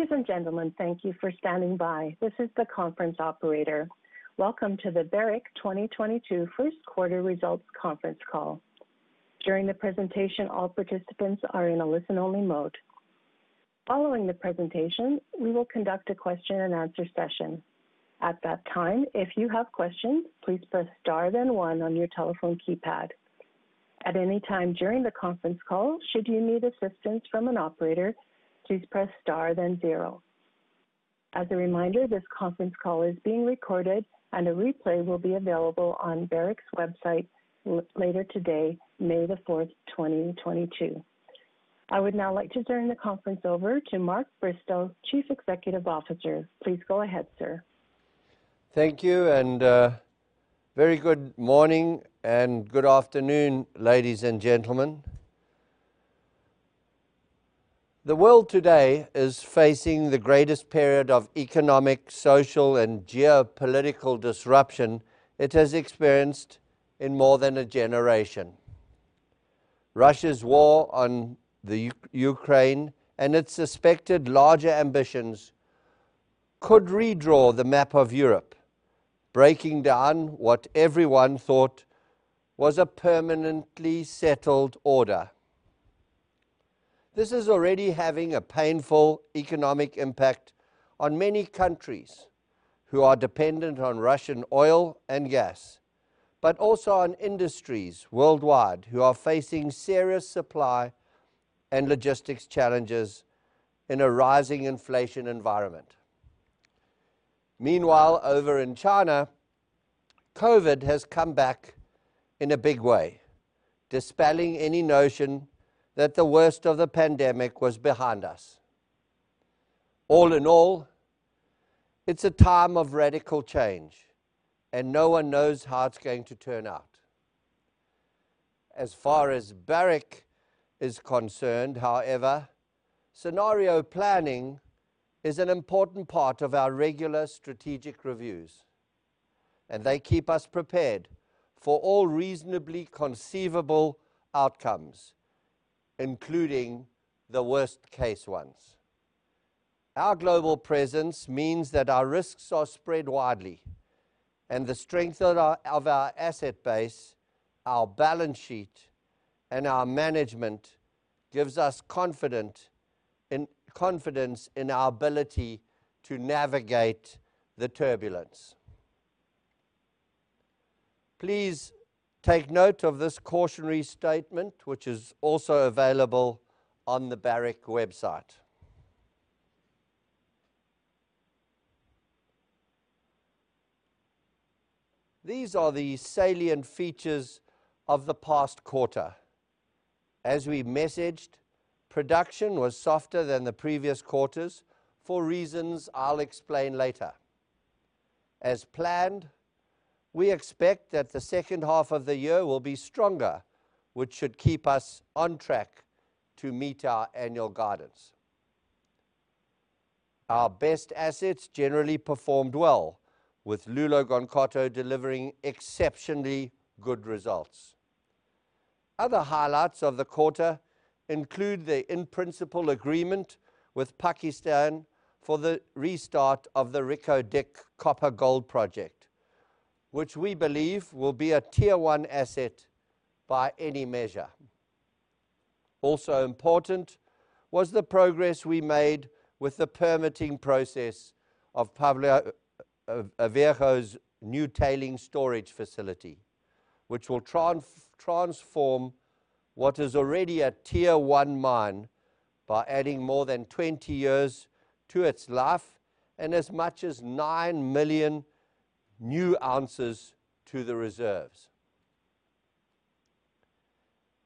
Ladies and gentlemen, thank you for standing by. This is the conference operator. Welcome to the Barrick 2022 first quarter results conference call. During the presentation, all participants are in a listen-only mode. Following the presentation, we will conduct a question and answer session. At that time, if you have questions, please press star then one on your telephone keypad. At any time during the conference call, should you need assistance from an operator, please press star then zero. As a reminder, this conference call is being recorded and a replay will be available on Barrick's website later today, May the 4th, 2022. I would now like to turn the conference over to Mark Bristow, Chief Executive Officer. Please go ahead, sir. Thank you, and, very good morning and good afternoon, ladies and gentlemen. The world today is facing the greatest period of economic, social, and geopolitical disruption it has experienced in more than a generation. Russia's war on Ukraine and its suspected larger ambitions could redraw the map of Europe, breaking down what everyone thought was a permanently settled order. This is already having a painful economic impact on many countries who are dependent on Russian oil and gas, but also on industries worldwide who are facing serious supply and logistics challenges in a rising inflation environment. Meanwhile, over in China, COVID has come back in a big way, dispelling any notion that the worst of the pandemic was behind us. All in all, it's a time of radical change, and no one knows how it's going to turn out. As far as Barrick is concerned, however, scenario planning is an important part of our regular strategic reviews, and they keep us prepared for all reasonably conceivable outcomes, including the worst-case ones. Our global presence means that our risks are spread widely and the strength of our asset base, our balance sheet, and our management gives us confidence in our ability to navigate the turbulence. Please take note of this cautionary statement, which is also available on the Barrick website. These are the salient features of the past quarter. As we messaged, production was softer than the previous quarters for reasons I'll explain later. As planned, we expect that the second half of the year will be stronger, which should keep us on track to meet our annual guidance. Our best assets generally performed well with Loulo-Gounkoto delivering exceptionally good results. Other highlights of the quarter include the in-principle agreement with Pakistan for the restart of the Reko Diq copper gold project, which we believe will be a tier one asset by any measure. Also important was the progress we made with the permitting process of Pueblo Viejo's new tailings storage facility, which will transform what is already a tier one mine by adding more than 20 years to its life and as much as 9 million new ounces to the reserves.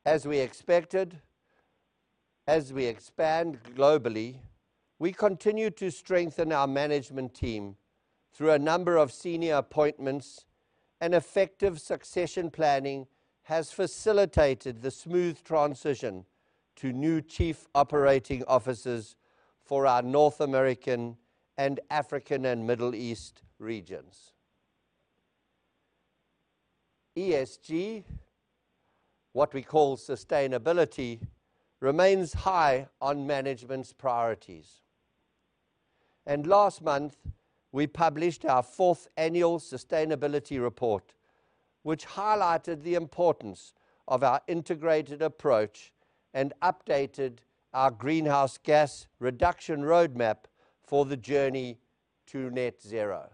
As we expected, as we expand globally, we continue to strengthen our management team through a number of senior appointments and effective succession planning has facilitated the smooth transition to new chief operating officers for our North American, African, and Middle East regions. ESG, what we call sustainability, remains high on management's priorities. Last month, we published our fourth annual sustainability report, which highlighted the importance of our integrated approach and updated our greenhouse gas reduction roadmap for the journey to net zero.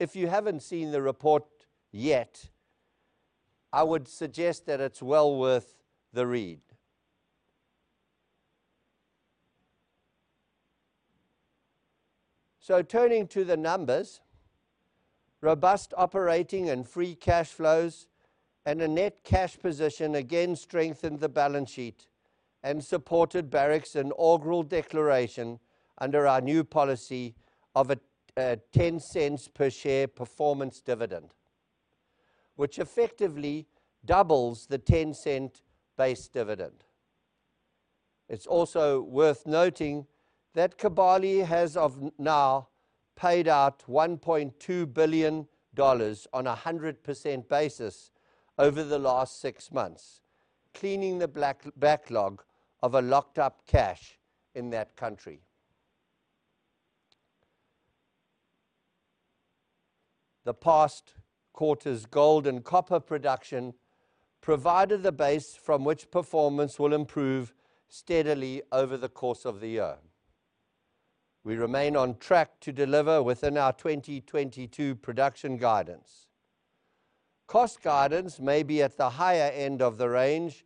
If you haven't seen the report yet, I would suggest that it's well worth the read. Turning to the numbers, robust operating and free cash flows and a net cash position again strengthened the balance sheet and supported Barrick's inaugural declaration under our new policy of a $0.10 per share performance dividend, which effectively doubles the $0.10 base dividend. It's also worth noting that Kibali has now paid out $1.2 billion on a 100% basis over the last six months, clearing the backlog of locked-up cash in that country. The past quarter's gold and copper production provided the base from which performance will improve steadily over the course of the year. We remain on track to deliver within our 2022 production guidance. Cost guidance may be at the higher end of the range,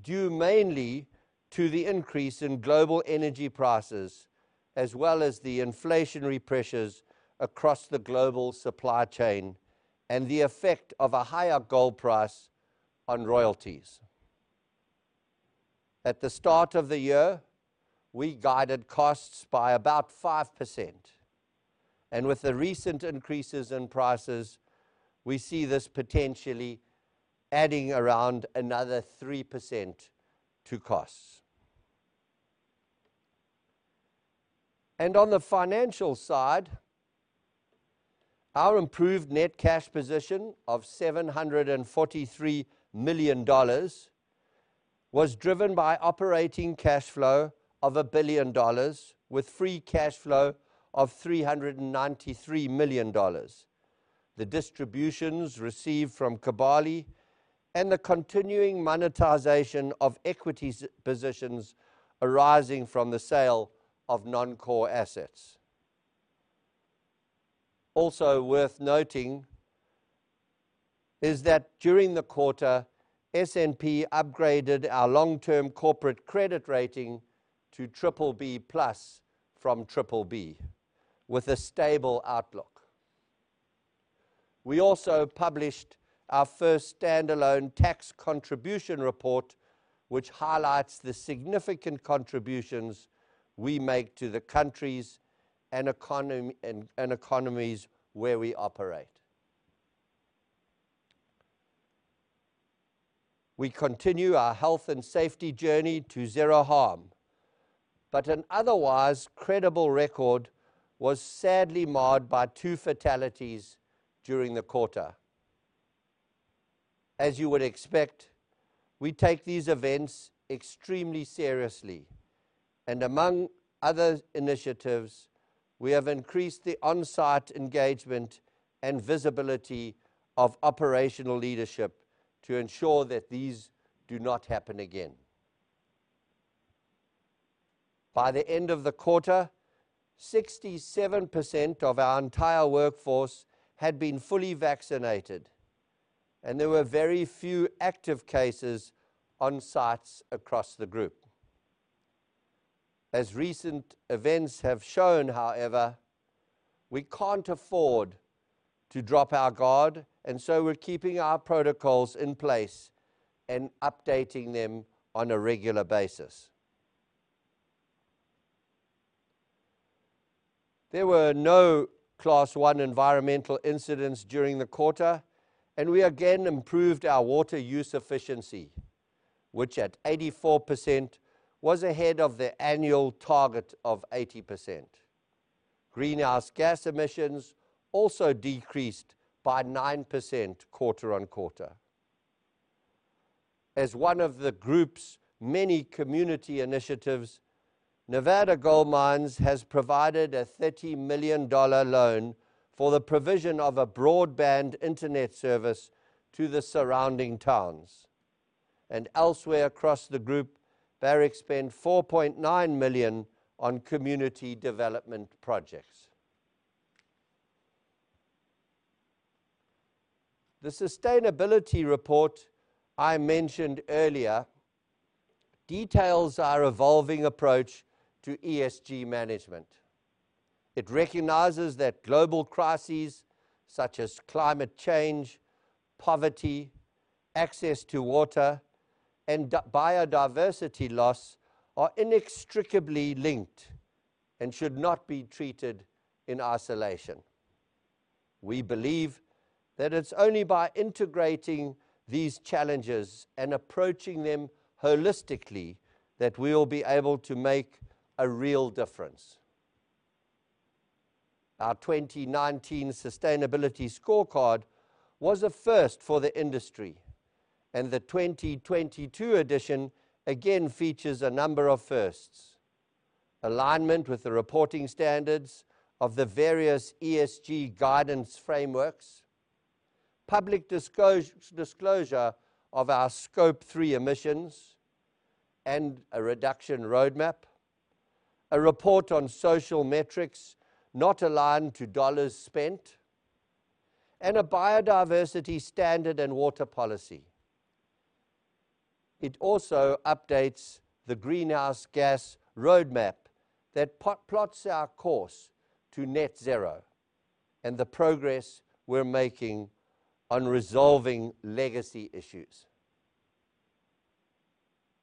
due mainly to the increase in global energy prices as well as the inflationary pressures across the global supply chain and the effect of a higher gold price on royalties. At the start of the year, we guided costs by about 5%, and with the recent increases in prices, we see this potentially adding around another 3% to costs. On the financial side, our improved net cash position of $743 million was driven by operating cash flow of $1 billion with free cash flow of $393 million, the distributions received from Kibali and the continuing monetization of equity positions arising from the sale of non-core assets. Also worth noting is that during the quarter, S&P upgraded our long-term corporate credit rating to BBB+ from BBB with a stable outlook. We also published our first standalone tax contribution report, which highlights the significant contributions we make to the countries and economies where we operate. We continue our health and safety journey to zero harm, but an otherwise credible record was sadly marred by two fatalities during the quarter. As you would expect, we take these events extremely seriously and among other initiatives, we have increased the on-site engagement and visibility of operational leadership to ensure that these do not happen again. By the end of the quarter, 67% of our entire workforce had been fully vaccinated, and there were very few active cases on sites across the group. As recent events have shown, however, we can't afford to drop our guard, and so we're keeping our protocols in place and updating them on a regular basis. There were no class one environmental incidents during the quarter, and we again improved our water use efficiency, which at 84% was ahead of the annual target of 80%. Greenhouse gas emissions also decreased by 9% quarter-over-quarter. As one of the group's many community initiatives, Nevada Gold Mines has provided a $30 million loan for the provision of a broadband internet service to the surrounding towns. Elsewhere across the group, Barrick spent $4.9 million on community development projects. The sustainability report I mentioned earlier details our evolving approach to ESG management. It recognizes that global crises such as climate change, poverty, access to water, and biodiversity loss are inextricably linked and should not be treated in isolation. We believe that it's only by integrating these challenges and approaching them holistically that we will be able to make a real difference. Our 2019 sustainability scorecard was a first for the industry, and the 2022 edition again features a number of firsts, alignment with the reporting standards of the various ESG guidance frameworks, public disclosure of our Scope 3 emissions and a reduction roadmap, a report on social metrics not aligned to dollars spent, and a biodiversity standard and water policy. It also updates the greenhouse gas roadmap that plots our course to net zero and the progress we're making on resolving legacy issues.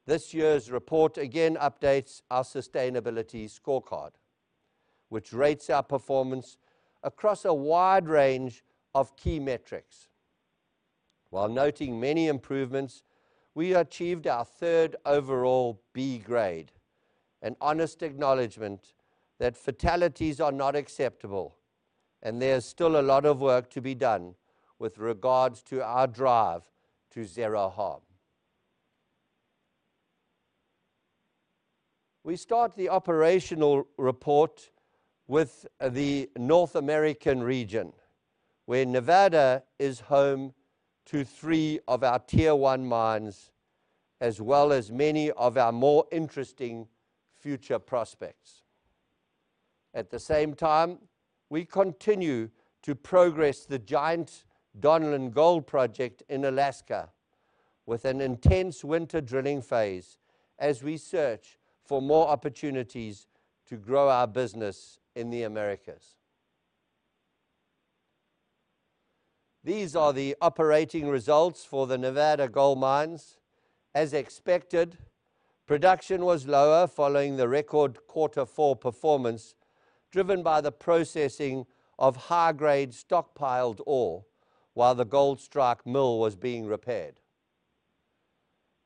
This year's report again updates our sustainability scorecard, which rates our performance across a wide range of key metrics. While noting many improvements, we achieved our third overall B grade, an honest acknowledgement that fatalities are not acceptable, and there's still a lot of work to be done with regards to our drive to zero harm. We start the operational report with the North American region, where Nevada is home to three of our tier one mines as well as many of our more interesting future prospects. At the same time, we continue to progress the giant Donlin Gold project in Alaska with an intense winter drilling phase as we search for more opportunities to grow our business in the Americas. These are the operating results for the Nevada Gold Mines. As expected, production was lower following the record quarter four performance, driven by the processing of high-grade stockpiled ore while the Goldstrike Mill was being repaired.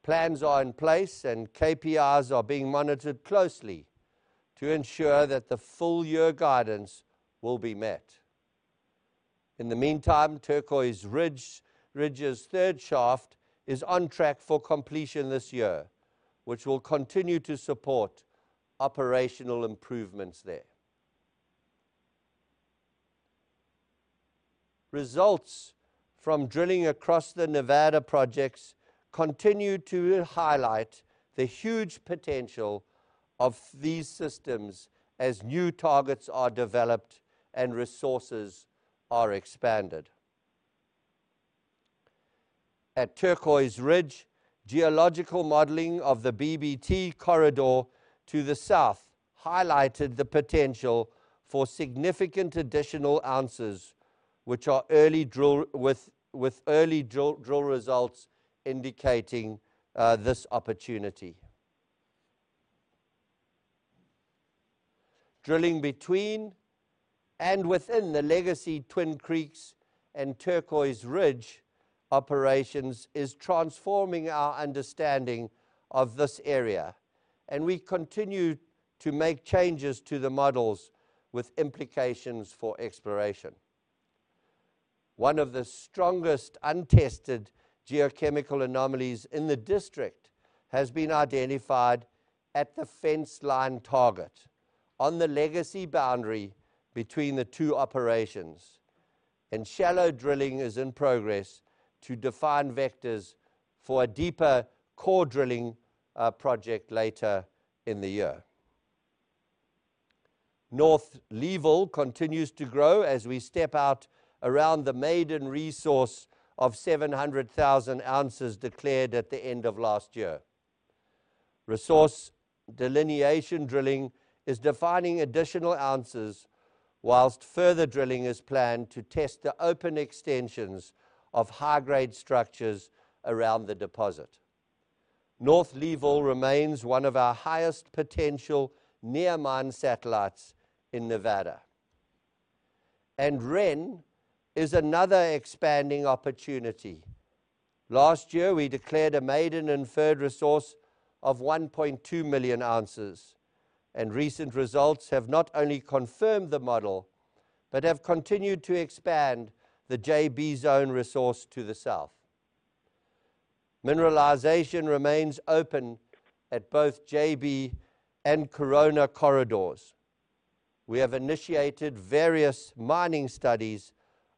Plans are in place, and KPIs are being monitored closely to ensure that the full year guidance will be met. In the meantime, Turquoise Ridge's third shaft is on track for completion this year, which will continue to support operational improvements there. Results from drilling across the Nevada projects continue to highlight the huge potential of these systems as new targets are developed and resources are expanded. At Turquoise Ridge, geological modeling of the BBT Corridor to the south highlighted the potential for significant additional ounces, which, with early drill results indicating this opportunity. Drilling between and within the legacy Twin Creeks and Turquoise Ridge operations is transforming our understanding of this area, and we continue to make changes to the models with implications for exploration. One of the strongest untested geochemical anomalies in the district has been identified at the fence line target on the legacy boundary between the two operations, and shallow drilling is in progress to define vectors for a deeper core drilling project later in the year. North Level continues to grow as we step out around the maiden resource of 700,000 ounces declared at the end of last year. Resource delineation drilling is defining additional ounces while further drilling is planned to test the open extensions of high-grade structures around the deposit. North Level remains one of our highest potential near mine satellites in Nevada, and Ren is another expanding opportunity. Last year, we declared a maiden inferred resource of 1.2 million ounces, and recent results have not only confirmed the model but have continued to expand the JB Zone resource to the south. Mineralization remains open at both JB and Corona corridors. We have initiated various mining studies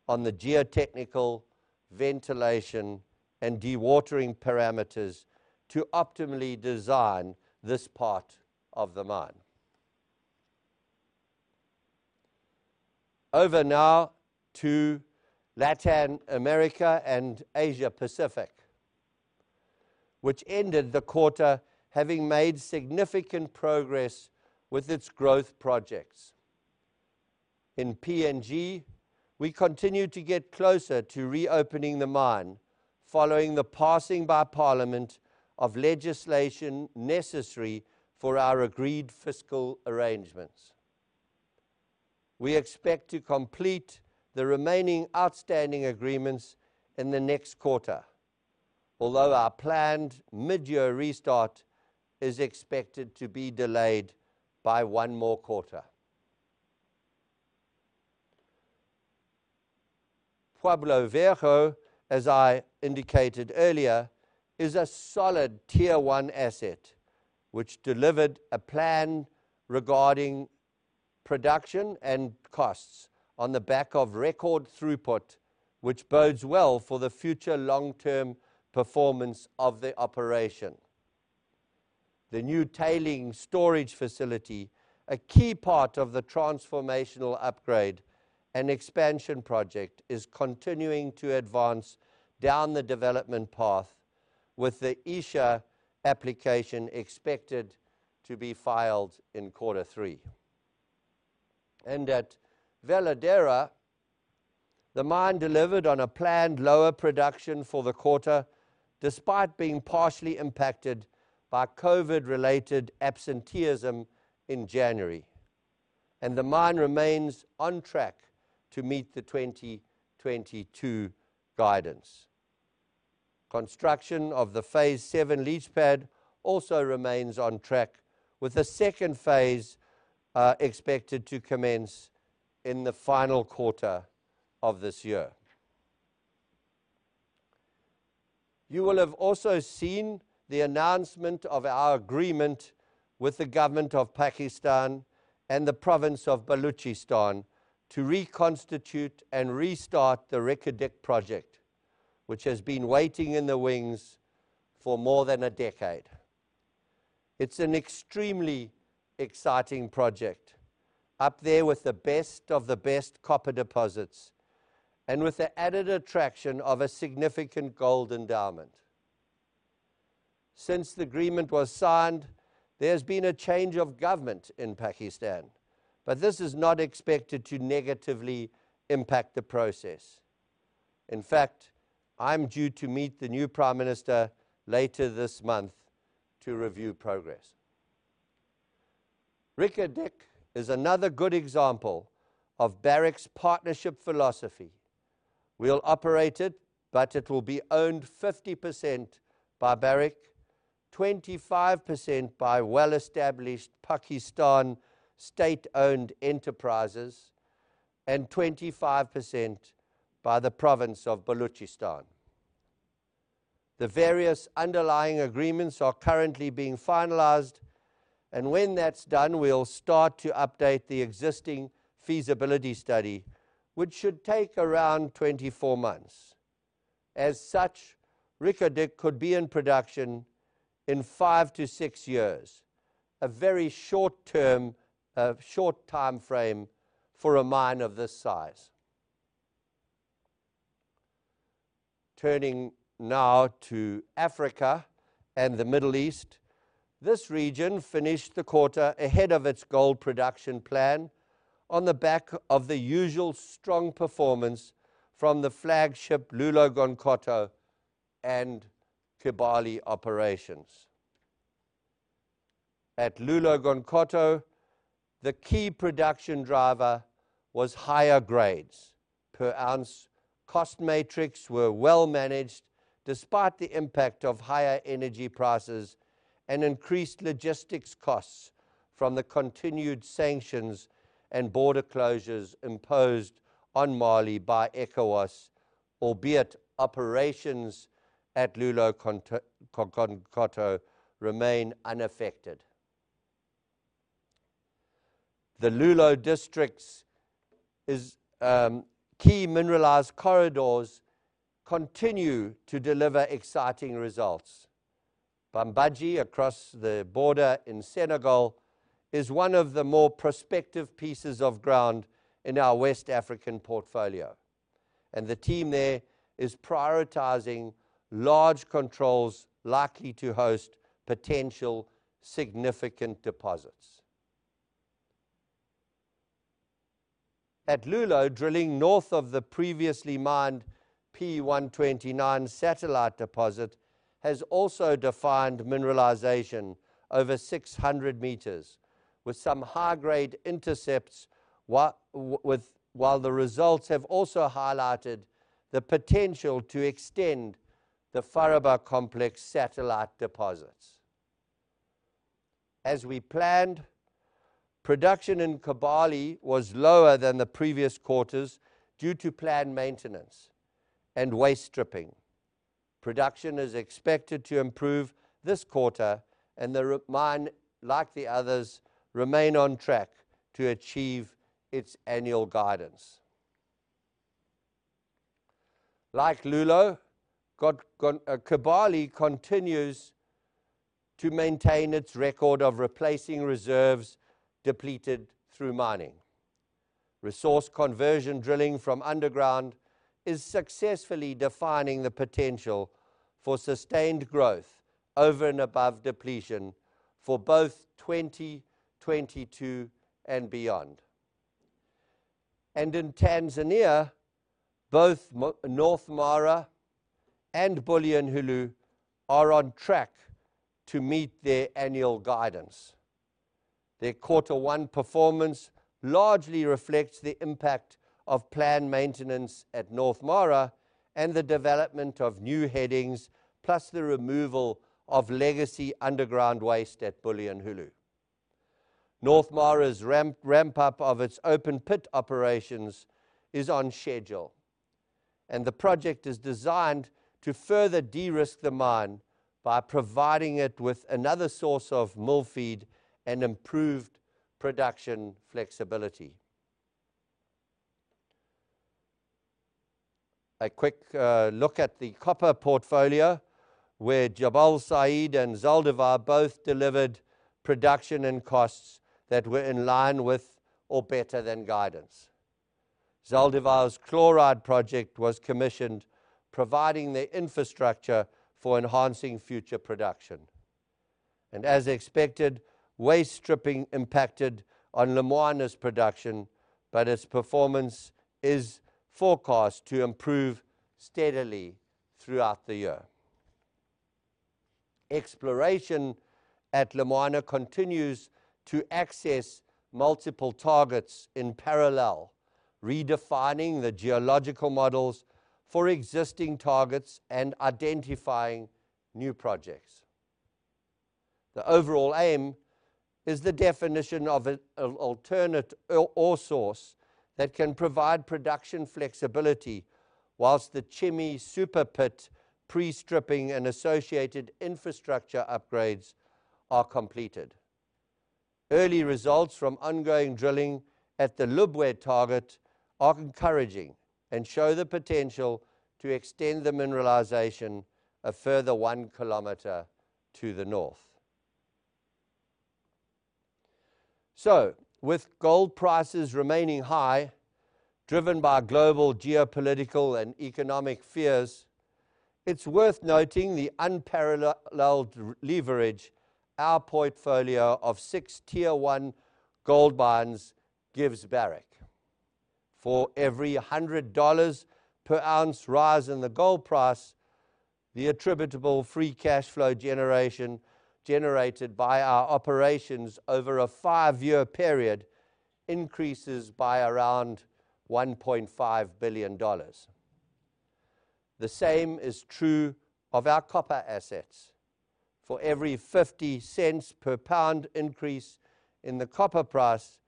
on the geotechnical ventilation and dewatering parameters to optimally design this part of the mine. Over now to Latin America and Asia Pacific, which ended the quarter having made significant progress with its growth projects. In PNG, we continue to get closer to reopening the mine following the passing by Parliament of legislation necessary for our agreed fiscal arrangements. We expect to complete the remaining outstanding agreements in the next quarter. Although our planned mid-year restart is expected to be delayed by one more quarter. Pueblo Viejo, as I indicated earlier, is a solid tier one asset which delivered on plan regarding production and costs on the back of record throughput, which bodes well for the future long-term performance of the operation. The new tailings storage facility, a key part of the transformational upgrade and expansion project, is continuing to advance down the development path with the ESIA application expected to be filed in quarter three. At Veladero, the mine delivered on a planned lower production for the quarter despite being partially impacted by COVID-related absenteeism in January. The mine remains on track to meet the 2022 guidance. Construction of the phase seven leach pad also remains on track with the second phase expected to commence in the final quarter of this year. You will have also seen the announcement of our agreement with the government of Pakistan and the province of Balochistan to reconstitute and restart the Reko Diq project, which has been waiting in the wings for more than a decade. It's an extremely exciting project up there with the best of the best copper deposits and with the added attraction of a significant gold endowment. Since the agreement was signed, there's been a change of government in Pakistan, but this is not expected to negatively impact the process. In fact, I'm due to meet the new prime minister later this month to review progress. Reko Diq is another good example of Barrick's partnership philosophy. We'll operate it, but it will be owned 50% by Barrick, 25% by well-established Pakistan state-owned enterprises and 25% by the province of Balochistan. The various underlying agreements are currently being finalized, and when that's done, we'll start to update the existing feasibility study, which should take around 24 months. As such, Reko Diq could be in production in five to six years, a very short time frame for a mine of this size. Turning now to Africa and the Middle East. This region finished the quarter ahead of its gold production plan on the back of the usual strong performance from the flagship Loulo-Gounkoto and Kibali operations. At Loulo-Gounkoto, the key production driver was higher grades per ounce. Cost metrics were well managed despite the impact of higher energy prices and increased logistics costs from the continued sanctions and border closures imposed on Mali by ECOWAS, albeit operations at Loulo-Gounkoto remain unaffected. The Loulo District's key mineralized corridors continue to deliver exciting results. Bambadji, across the border in Senegal, is one of the more prospective pieces of ground in our West African portfolio. The team there is prioritizing large controls likely to host potential significant deposits. At Loulo, drilling north of the previously mined P129 satellite deposit has also defined mineralization over 600 meters, with some high-grade intercepts while the results have also highlighted the potential to extend the Faraba complex satellite deposits. As we planned, production in Kibali was lower than the previous quarters due to planned maintenance and waste stripping. Production is expected to improve this quarter and the Reko Diq mine, like the others, remain on track to achieve its annual guidance. Like Loulo-Gounkoto, Kibali continues to maintain its record of replacing reserves depleted through mining. Resource conversion drilling from underground is successfully defining the potential for sustained growth over and above depletion for both 2022 and beyond. In Tanzania, both North Mara and Bulyanhulu are on track to meet their annual guidance. Their quarter one performance largely reflects the impact of planned maintenance at North Mara and the development of new headings, plus the removal of legacy underground waste at Bulyanhulu. North Mara's ramp-up of its open pit operations is on schedule, and the project is designed to further de-risk the mine by providing it with another source of mill feed and improved production flexibility. A quick look at the copper portfolio where Jabal Sayid and Zaldívar both delivered production and costs that were in line with or better than guidance. Zaldívar's chloride project was commissioned, providing the infrastructure for enhancing future production. As expected, waste stripping impacted on Lumwana's production, but its performance is forecast to improve steadily throughout the year. Exploration at Lumwana continues to access multiple targets in parallel, redefining the geological models for existing targets and identifying new projects. The overall aim is the definition of an alternate ore source that can provide production flexibility while the Chimiwungo Super Pit pre-stripping and associated infrastructure upgrades are completed. Early results from ongoing drilling at the Lubwe target are encouraging and show the potential to extend the mineralization a further 1 km to the north. With gold prices remaining high, driven by global geopolitical and economic fears, it's worth noting the unparalleled leverage our portfolio of six tier one gold mines gives Barrick. For every $100 per ounce rise in the gold price, the attributable free cash flow generation generated by our operations over a five-year period increases by around $1.5 billion. The same is true of our copper assets. For every $0.50 Per pound increase in the copper price,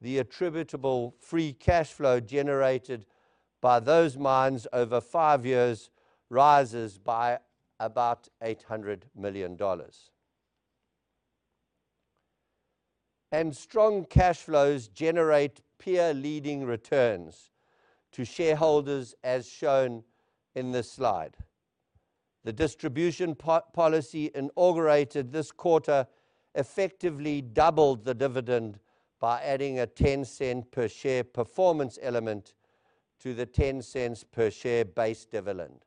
the attributable free cash flow generated by those mines over five years rises by about $800 million. Strong cash flows generate peer-leading returns to shareholders as shown in this slide. The distribution policy inaugurated this quarter effectively doubled the dividend by adding a $0.10 per share performance element to the $0.10 per share base dividend.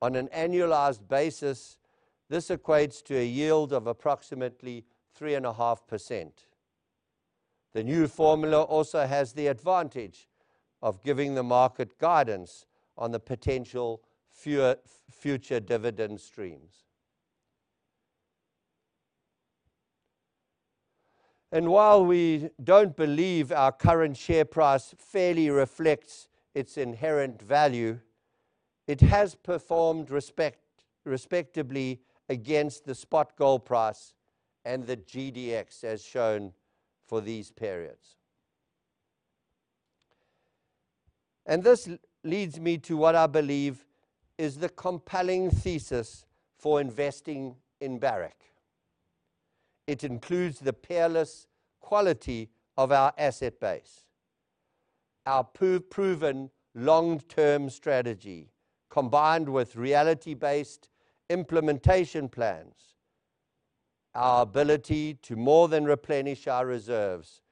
On an annualized basis, this equates to a yield of approximately 3.5%. The new formula also has the advantage of giving the market guidance on the potential future dividend streams. While we don't believe our current share price fairly reflects its inherent value, it has performed respectably against the spot gold price and the GDX as shown for these periods. This leads me to what I believe is the compelling thesis for investing in Barrick. It includes the peerless quality of our asset base, our proven long-term strategy, combined with reality-based implementation plans, our ability to more than replenish our reserves,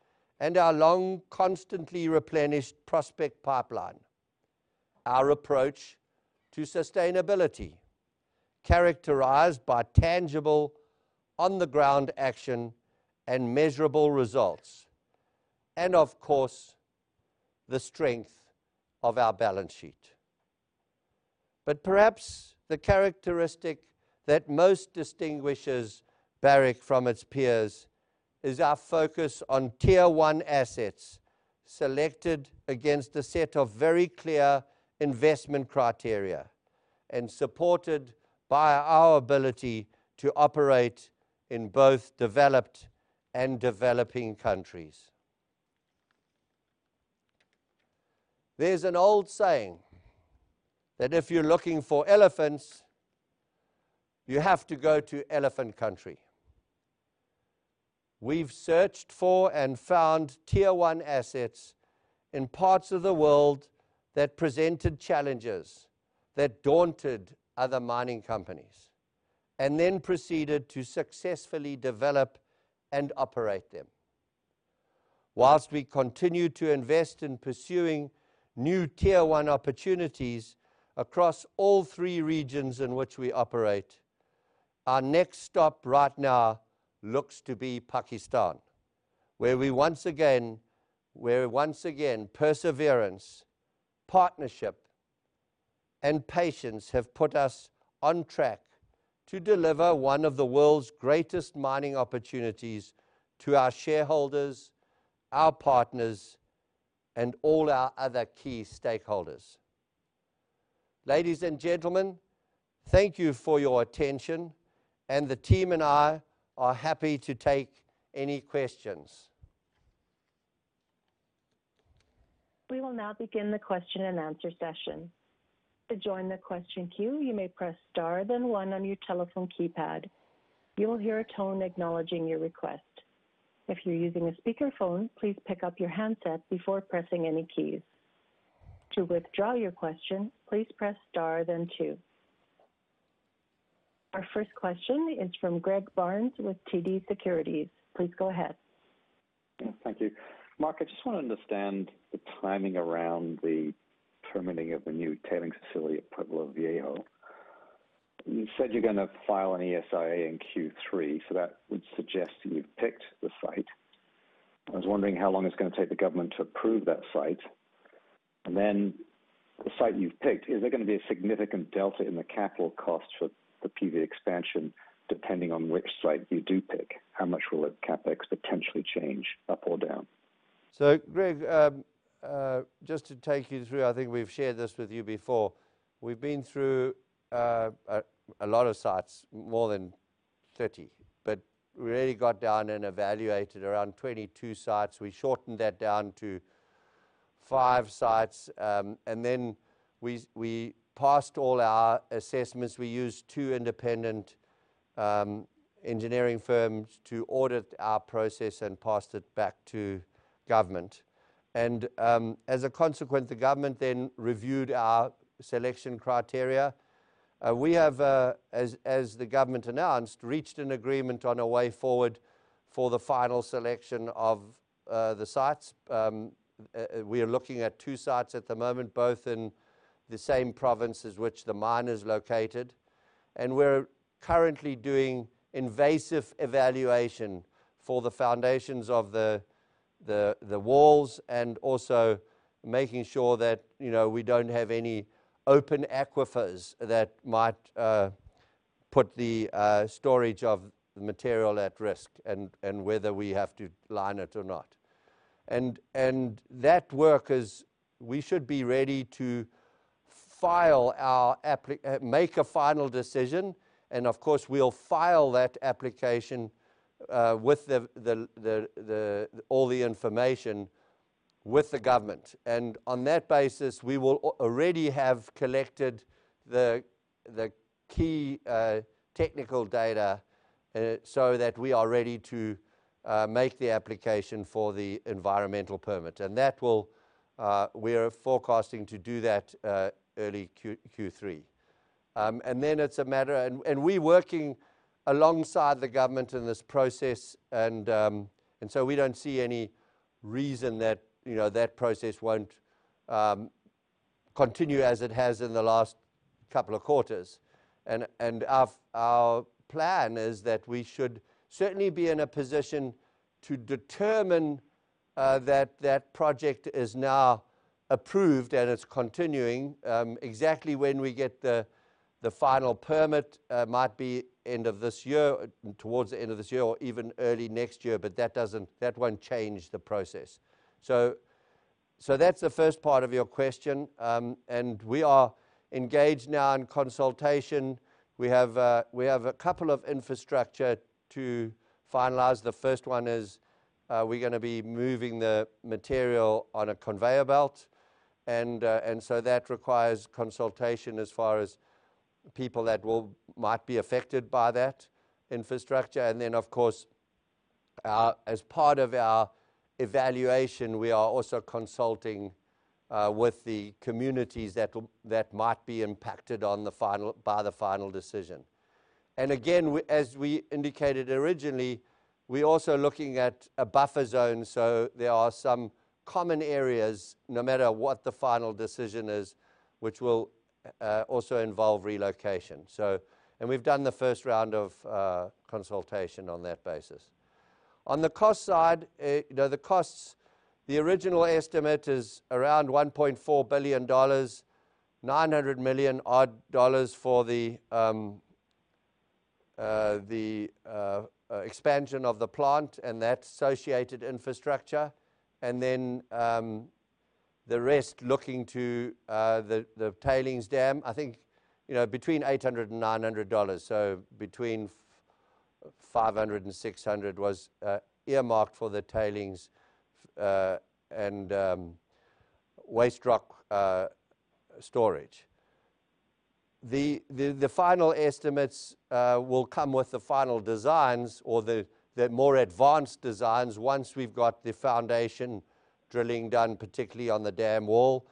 and our long, constantly replenished prospect pipeline. Our approach to sustainability, characterized by tangible on-the-ground action and measurable results and of course, the strength of our balance sheet. Perhaps the characteristic that most distinguishes Barrick from its peers is our focus on tier one assets selected against a set of very clear investment criteria and supported by our ability to operate in both developed and developing countries. There's an old saying that if you're looking for elephants, you have to go to elephant country. We've searched for and found tier one assets in parts of the world that presented challenges that daunted other mining companies and then proceeded to successfully develop and operate them. While we continue to invest in pursuing new tier one opportunities across all three regions in which we operate, our next stop right now looks to be Pakistan, where once again, perseverance, partnership, and patience have put us on track to deliver one of the world's greatest mining opportunities to our shareholders, our partners, and all our other key stakeholders. Ladies and gentlemen, thank you for your attention, and the team and I are happy to take any questions. We will now begin the question-and-answer session. To join the question queue, you may press star then one on your telephone keypad. You will hear a tone acknowledging your request. If you're using a speakerphone, please pick up your handset before pressing any keys. To withdraw your question, please press star then two. Our first question is from Greg Barnes with TD Securities. Please go ahead. Thank you. Mark, I just want to understand the timing around the permitting of the new tailing facility at Pueblo Viejo. You said you're gonna file an ESIA in Q3, so that would suggest you've picked the site. I was wondering how long it's gonna take the government to approve that site. The site you've picked, is there gonna be a significant delta in the capital cost for the PV expansion, depending on which site you do pick? How much will the CapEx potentially change up or down? Greg, just to take you through, I think we've shared this with you before. We've been through a lot of sites, more than 30, but we really got down and evaluated around 22 sites. We shortened that down to five sites, and then we passed all our assessments. We used two independent engineering firms to audit our process and passed it back to government. As a consequence, the government then reviewed our selection criteria. We have, as the government announced, reached an agreement on a way forward for the final selection of the sites. We are looking at two sites at the moment, both in the same province as which the mine is located. We're currently doing invasive evaluation for the foundations of the walls and also making sure that, you know, we don't have any open aquifers that might put the storage of material at risk and whether we have to line it or not. That work, we should be ready to make a final decision, and of course, we'll file that application with all the information with the government. On that basis, we will already have collected the key technical data so that we are ready to make the application for the environmental permit. That will, we're forecasting to do that early Q3. Then it's a matter. We're working alongside the government in this process, and so we don't see any reason that, you know, that process won't continue as it has in the last couple of quarters. Our plan is that we should certainly be in a position to determine that project is now approved and it's continuing exactly when we get the final permit might be end of this year, towards the end of this year or even early next year, but that won't change the process. That's the first part of your question, and we are engaged now in consultation. We have a couple of infrastructure to finalize. The first one is, we're gonna be moving the material on a conveyor belt, and so that requires consultation as far as people that might be affected by that infrastructure. Of course, as part of our evaluation, we are also consulting with the communities that might be impacted by the final decision. Again, as we indicated originally, we're also looking at a buffer zone. There are some common areas, no matter what the final decision is, which will also involve relocation. We've done the first round of consultation on that basis. On the cost side, you know, the costs, the original estimate is around $1.4 billion, $900 million-odd for the expansion of the plant and that associated infrastructure, and then the rest looking to the tailings dam. I think, you know, between $800 and $900, so between $500 and $600 was earmarked for the tailings and waste rock storage. The final estimates will come with the final designs or the more advanced designs once we've got the foundation drilling done, particularly on the dam wall.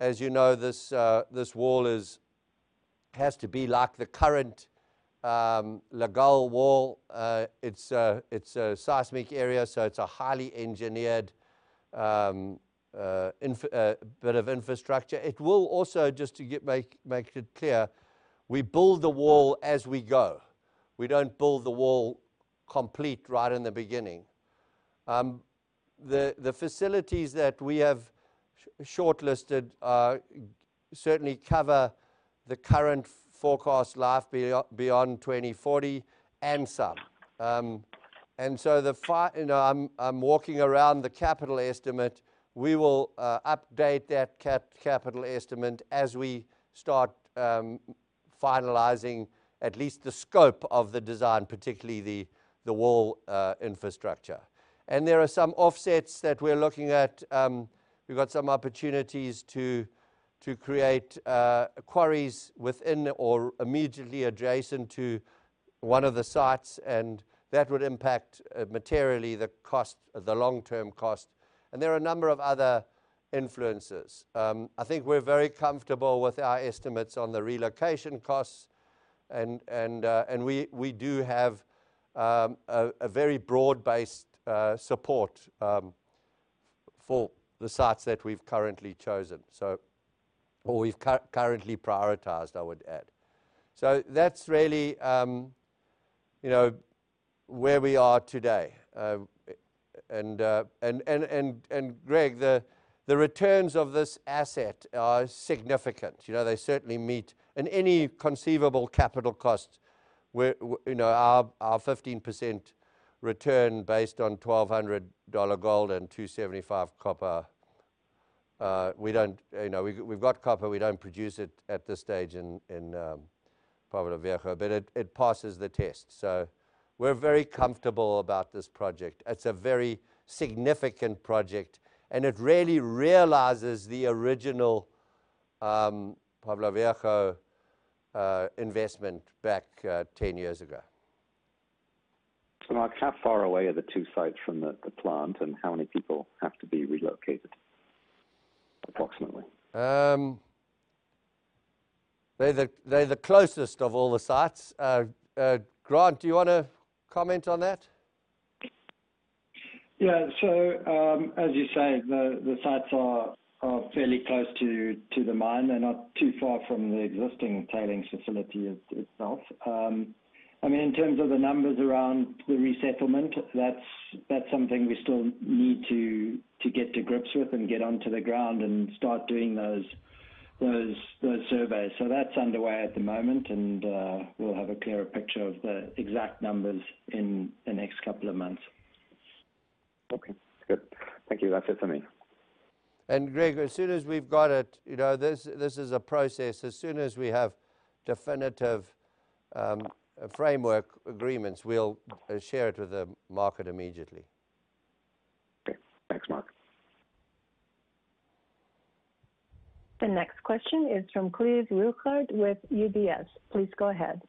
As you know, this wall has to be like the current El Llagal wall. It's a seismic area, so it's a highly engineered bit of infrastructure. It will also, just to make it clear, we build the wall as we go. We don't build the wall complete right in the beginning. The facilities that we have shortlisted certainly cover the current forecast life beyond 2040 and some. You know, I'm walking around the capital estimate. We will update that capital estimate as we start finalizing at least the scope of the design, particularly the wall infrastructure. There are some offsets that we're looking at. We've got some opportunities to create quarries within or immediately adjacent to one of the sites, and that would impact materially the cost, the long-term cost. There are a number of other influences. I think we're very comfortable with our estimates on the relocation costs and we do have a very broad-based support for the sites that we've currently chosen. Or we've currently prioritized, I would add. That's really, you know, where we are today. Greg, the returns of this asset are significant. You know, they certainly meet and any conceivable capital costs where, you know, our 15% return based on $1,200 gold and $2.75 copper, we don't, you know, we've got copper, we don't produce it at this stage in Pueblo Viejo, but it passes the test. We're very comfortable about this project. It's a very significant project, and it really realizes the original Pueblo Viejo investment back 10 years ago. Mark, how far away are the two sites from the plant, and how many people have to be relocated approximately? They're the closest of all the sites. Grant, do you wanna comment on that? Yeah. As you say, the sites are fairly close to the mine. They're not too far from the existing tailings facility itself. I mean, in terms of the numbers around the resettlement, that's something we still need to get to grips with and get onto the ground and start doing those surveys. That's underway at the moment, and we'll have a clearer picture of the exact numbers in the next couple of months. Okay, good. Thank you. That's it for me. Greg, as soon as we've got it, you know, this is a process. As soon as we have definitive framework agreements, we'll share it with the market immediately. Okay. Thanks, Mark. The next question is from Cleve Rueckert with UBS. Please go ahead.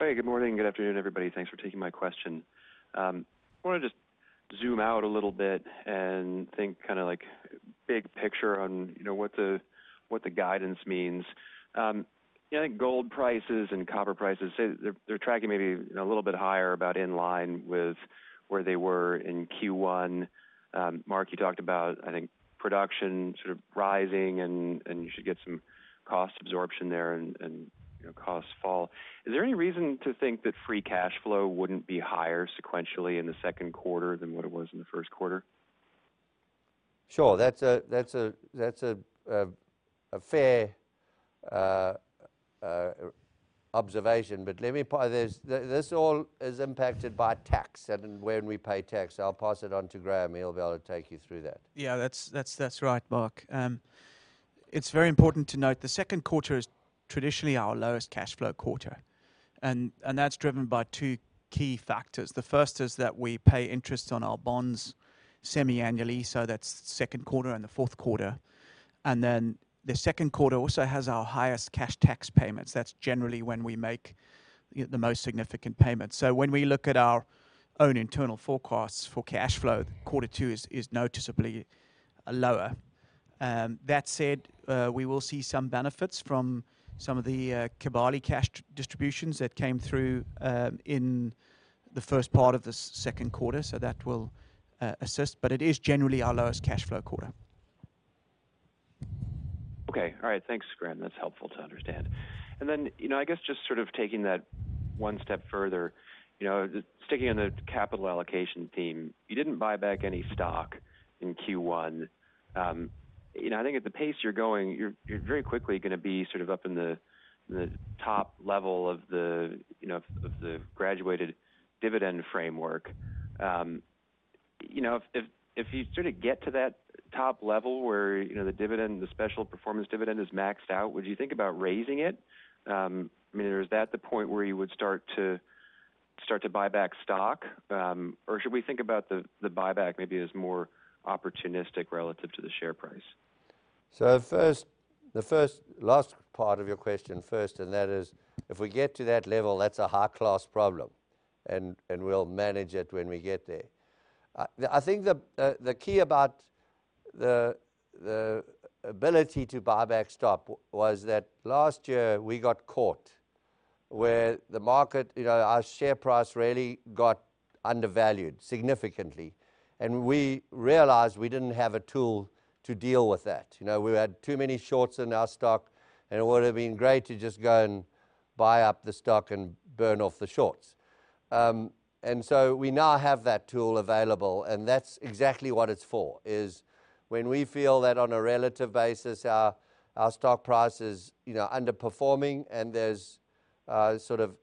Hey, good morning, good afternoon, everybody. Thanks for taking my question. I wanna just zoom out a little bit and think kinda like big picture on, you know, what the guidance means. I think gold prices and copper prices, say they're tracking maybe, you know, a little bit higher about in line with where they were in Q1. Mark, you talked about, I think, production sort of rising and you should get some cost absorption there and, you know, costs fall. Is there any reason to think that free cash flow wouldn't be higher sequentially in the second quarter than what it was in the first quarter? Sure. That's a fair observation. This all is impacted by tax and when we pay tax. I'll pass it on to Graham. He'll be able to take you through that. Yeah, that's right, Mark. It's very important to note the second quarter is traditionally our lowest cash flow quarter. That's driven by two key factors. The first is that we pay interest on our bonds semi-annually, so that's second quarter and the fourth quarter. The second quarter also has our highest cash tax payments. That's generally when we make, you know, the most significant payments. When we look at our own internal forecasts for cash flow, quarter two is noticeably lower. That said, we will see some benefits from some of the Kibali cash distributions that came through in the first part of the second quarter, so that will assist, but it is generally our lowest cash flow quarter. Okay. All right. Thanks, Graham. That's helpful to understand. You know, I guess just sort of taking that one step further, you know, just sticking on the capital allocation theme, you didn't buy back any stock in Q1. You know, I think at the pace you're going, you're very quickly gonna be sort of up in the top level of the graduated dividend framework. You know, if you sort of get to that top level where, you know, the dividend, the special performance dividend is maxed out, would you think about raising it? I mean, or is that the point where you would start to buy back stock? Or should we think about the buyback maybe as more opportunistic relative to the share price? First, the last part of your question first, and that is if we get to that level, that's a high-class problem and we'll manage it when we get there. I think the key about the ability to buy back stock was that last year we got caught where the market, you know, our share price really got undervalued significantly, and we realized we didn't have a tool to deal with that. You know, we had too many shorts in our stock, and it would've been great to just go and buy up the stock and burn off the shorts. We now have that tool available, and that's exactly what it's for, is when we feel that on a relative basis our stock price is, you know, underperforming and there's sort of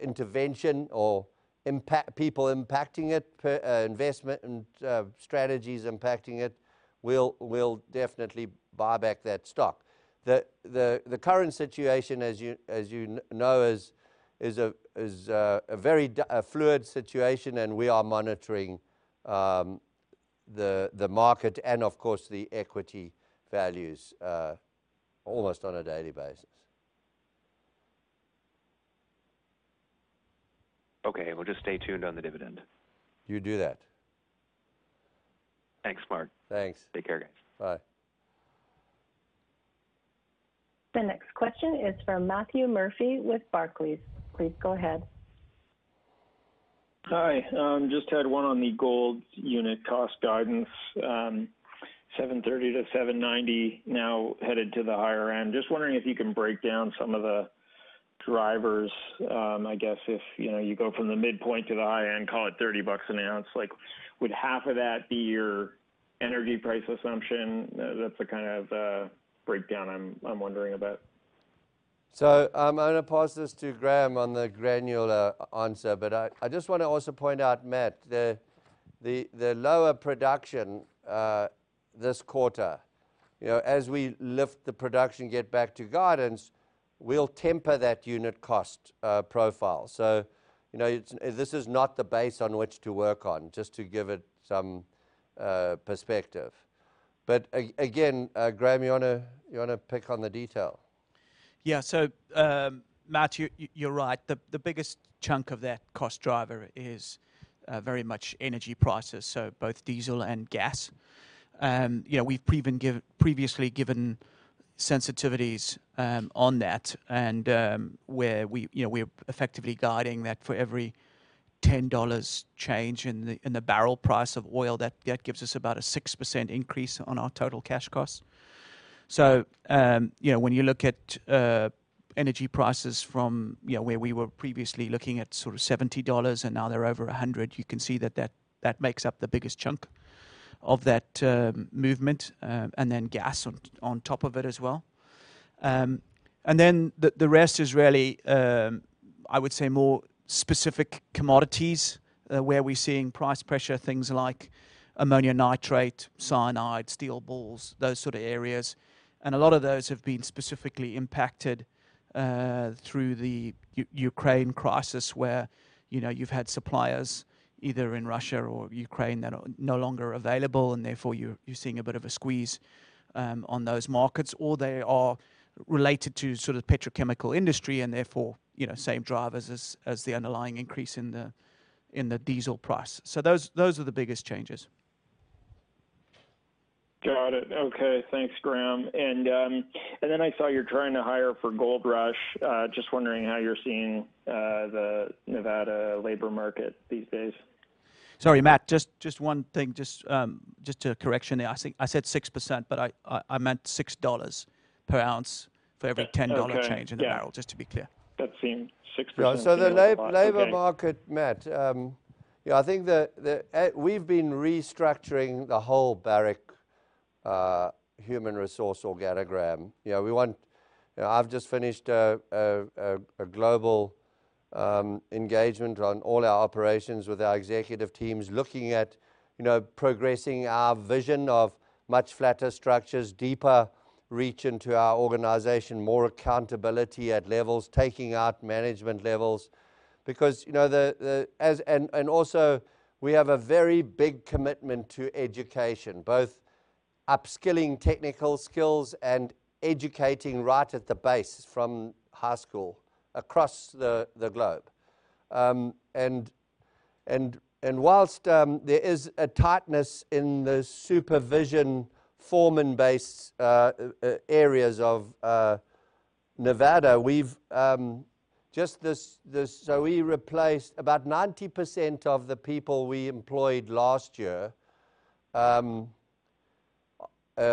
intervention or people impacting it per investment and strategies impacting it, we'll definitely buy back that stock. The current situation, as you know, is a very fluid situation and we are monitoring the market and of course the equity values almost on a daily basis. Okay. We'll just stay tuned on the dividend. You do that. Thanks, Mark. Thanks. Take care, guys. Bye. The next question is from Matthew O'Murphy with Barclays. Please go ahead. Hi. Just had one on the gold unit cost guidance, $730-$790 now headed to the higher end. Just wondering if you can break down some of the drivers. I guess if, you know, you go from the midpoint to the high end, call it $30 an ounce. Like, would half of that be your energy price assumption? That's the kind of breakdown I'm wondering about. I'm gonna pass this to Graham on the granular answer, but I just wanna also point out, Matt, the lower production this quarter. You know, as we lift the production, get back to guidance, we'll temper that unit cost profile. You know, this is not the base on which to work on, just to give it some perspective. Again, Graham, you wanna pick on the detail? Yeah. Matt, you're right. The biggest chunk of that cost driver is very much energy prices, so both diesel and gas. You know, we've previously given sensitivities on that and where we, you know, we're effectively guiding that for every $10 change in the barrel price of oil, that gives us about a 6% increase on our total cash costs. You know, when you look at energy prices from you know where we were previously looking at sort of $70 and now they're over $100, you can see that makes up the biggest chunk of that movement, and then gas on top of it as well. The rest is really, I would say more specific commodities, where we're seeing price pressure, things like ammonia nitrate, cyanide, steel balls, those sort of areas. A lot of those have been specifically impacted through the Ukraine crisis where, you know, you've had suppliers either in Russia or Ukraine that are no longer available and therefore you're seeing a bit of a squeeze on those markets or they are related to sort of petrochemical industry and therefore, you know, same drivers as the underlying increase in the diesel price. Those are the biggest changes. Got it. Okay. Thanks, Graham. I saw you're trying to hire for Goldrush. Just wondering how you're seeing the Nevada labor market these days. Sorry, Matt, just one thing. Just a correction there. I think I said 6%, but I meant $6 per ounce for every $10 change. Okay. Yeah in the barrel, just to be clear. 6% seems low, but okay. Labor market, Matt, you know, I think the we've been restructuring the whole Barrick human resource organigram. You know, we want. You know, I've just finished a global engagement on all our operations with our executive teams looking at you know, progressing our vision of much flatter structures, deeper reach into our organization, more accountability at levels, taking out management levels because you know, the and also we have a very big commitment to education, both upskilling technical skills and educating right at the base from high school across the globe. And while there is a tightness in the supervision foreman-based areas of Nevada, we've just replaced about 90% of the people we employed last year,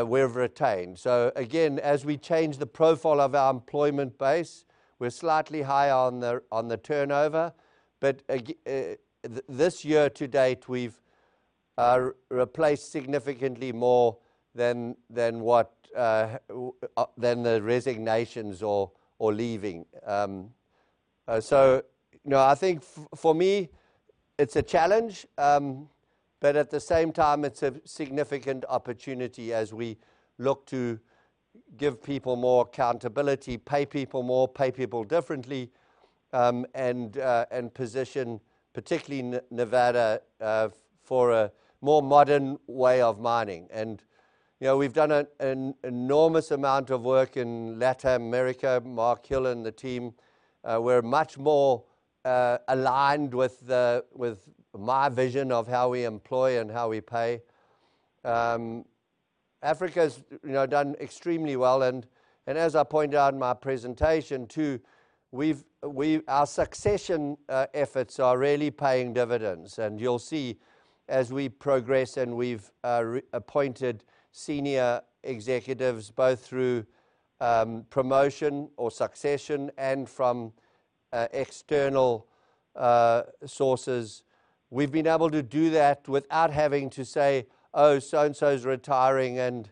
we've retained. Again, as we change the profile of our employment base, we're slightly higher on the turnover. This year to date, we've replaced significantly more than what the resignations or leaving. You know, I think for me it's a challenge, but at the same time it's a significant opportunity as we look to give people more accountability, pay people more, pay people differently, and position particularly Nevada, for a more modern way of mining. You know, we've done an enormous amount of work in Latin America. Mark Hill and the team, we're much more aligned with my vision of how we employ and how we pay. Africa's, you know, done extremely well and as I pointed out in my presentation too, our succession efforts are really paying dividends. You'll see as we progress and we've reappointed senior executives both through promotion or succession and from external sources. We've been able to do that without having to say, "Oh, so and so is retiring and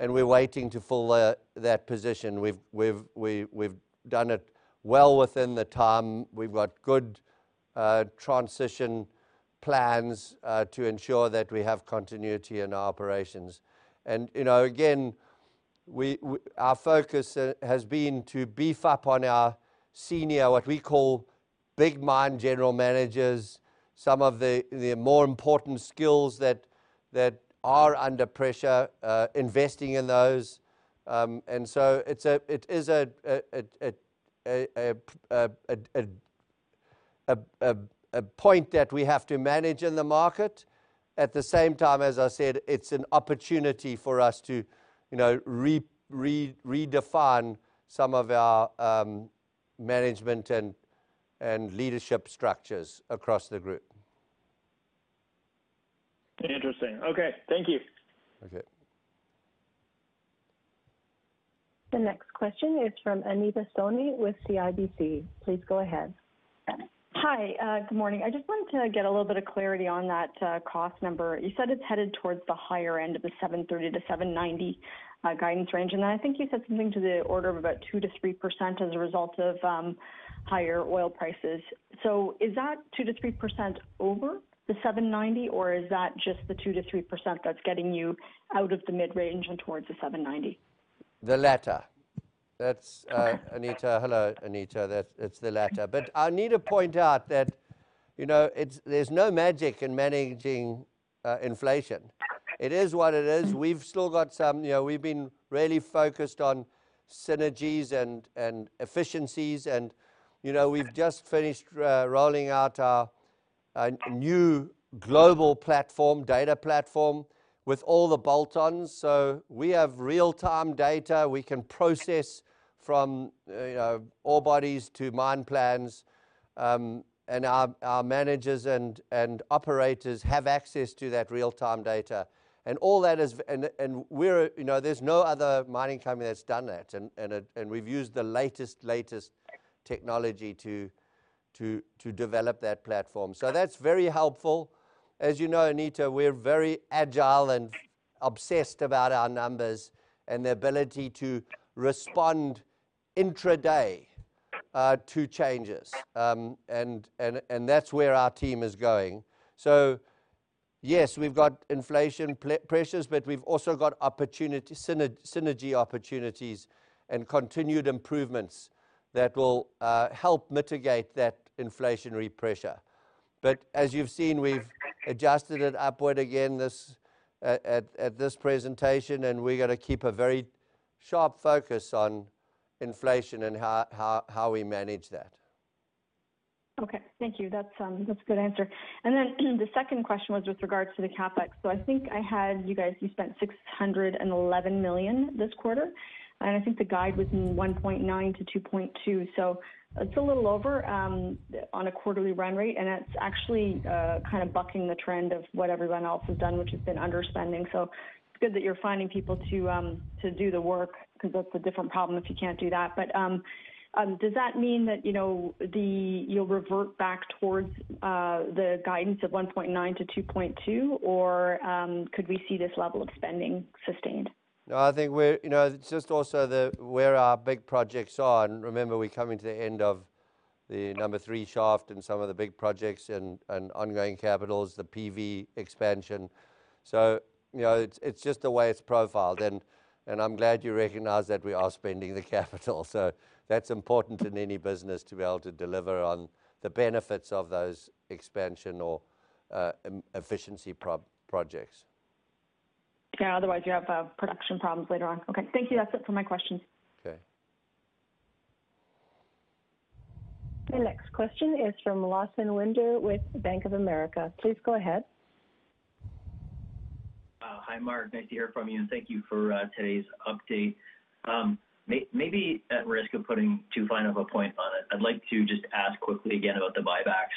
we're waiting to fill that position." We've done it well within the time. We've got good transition plans to ensure that we have continuity in our operations. You know, again, our focus has been to beef up on our senior, what we call big mine general managers, some of the more important skills that are under pressure, investing in those. It is a point that we have to manage in the market. At the same time, as I said, it's an opportunity for us to, you know, redefine some of our, management and leadership structures across the group. Interesting. Okay. Thank you. Okay. The next question is from Anita Soni with CIBC. Please go ahead. Hi. Good morning. I just wanted to get a little bit of clarity on that, cost number. You said it's headed towards the higher end of the $730-$790 guidance range, and then I think you said something to the order of about 2%-3% as a result of, higher oil prices. Is that 2%-3% over the $790 or is that just the 2%-3% that's getting you out of the mid-range and towards the $790? The latter. That's. Okay. Hello, Anita. It's the latter. I need to point out that, you know, there's no magic in managing inflation. Okay. It is what it is. We've still got some. You know, we've been really focused on synergies and efficiencies, you know, we've just finished rolling out our new global platform, data platform with all the bolt-ons. We have real-time data we can process from, you know, ore bodies to mine plans, and our managers and operators have access to that real-time data. You know, there's no other mining company that's done that and we've used the latest technology to develop that platform. That's very helpful. As you know, Anita, we're very agile and obsessed about our numbers and the ability to respond intra day to changes. That's where our team is going. Yes, we've got inflation pressures, but we've also got opportunity. Synergy opportunities and continued improvements that will help mitigate that inflationary pressure. As you've seen, we've adjusted it upward again this at this presentation, and we're gonna keep a very sharp focus on inflation and how we manage that. Okay. Thank you. That's a good answer. The second question was with regards to the CapEx. I think I had you guys you spent $611 million this quarter. I think the guide was $1.9 billion-$2.2 billion. It's a little over on a quarterly run rate, and it's actually kind of bucking the trend of what everyone else has done, which has been underspending. It's good that you're finding people to do the work because that's a different problem if you can't do that. Does that mean that you know you'll revert back towards the guidance of $1.9 billion-$2.2 billion or could we see this level of spending sustained? No, I think we're. You know, it's just also the where our big projects are, and remember we're coming to the end of the number three shaft and some of the big projects and ongoing capitals, the PV expansion. You know, it's just the way it's profiled and I'm glad you recognize that we are spending the capital. That's important in any business to be able to deliver on the benefits of those expansion or efficiency projects. Yeah, otherwise you have production problems later on. Okay, thank you. That's it for my questions. Okay. The next question is from Lawson Winder with Bank of America. Please go ahead. Hi, Mark. Nice to hear from you, and thank you for today's update. Maybe at risk of putting too fine of a point on it, I'd like to just ask quickly again about the buyback.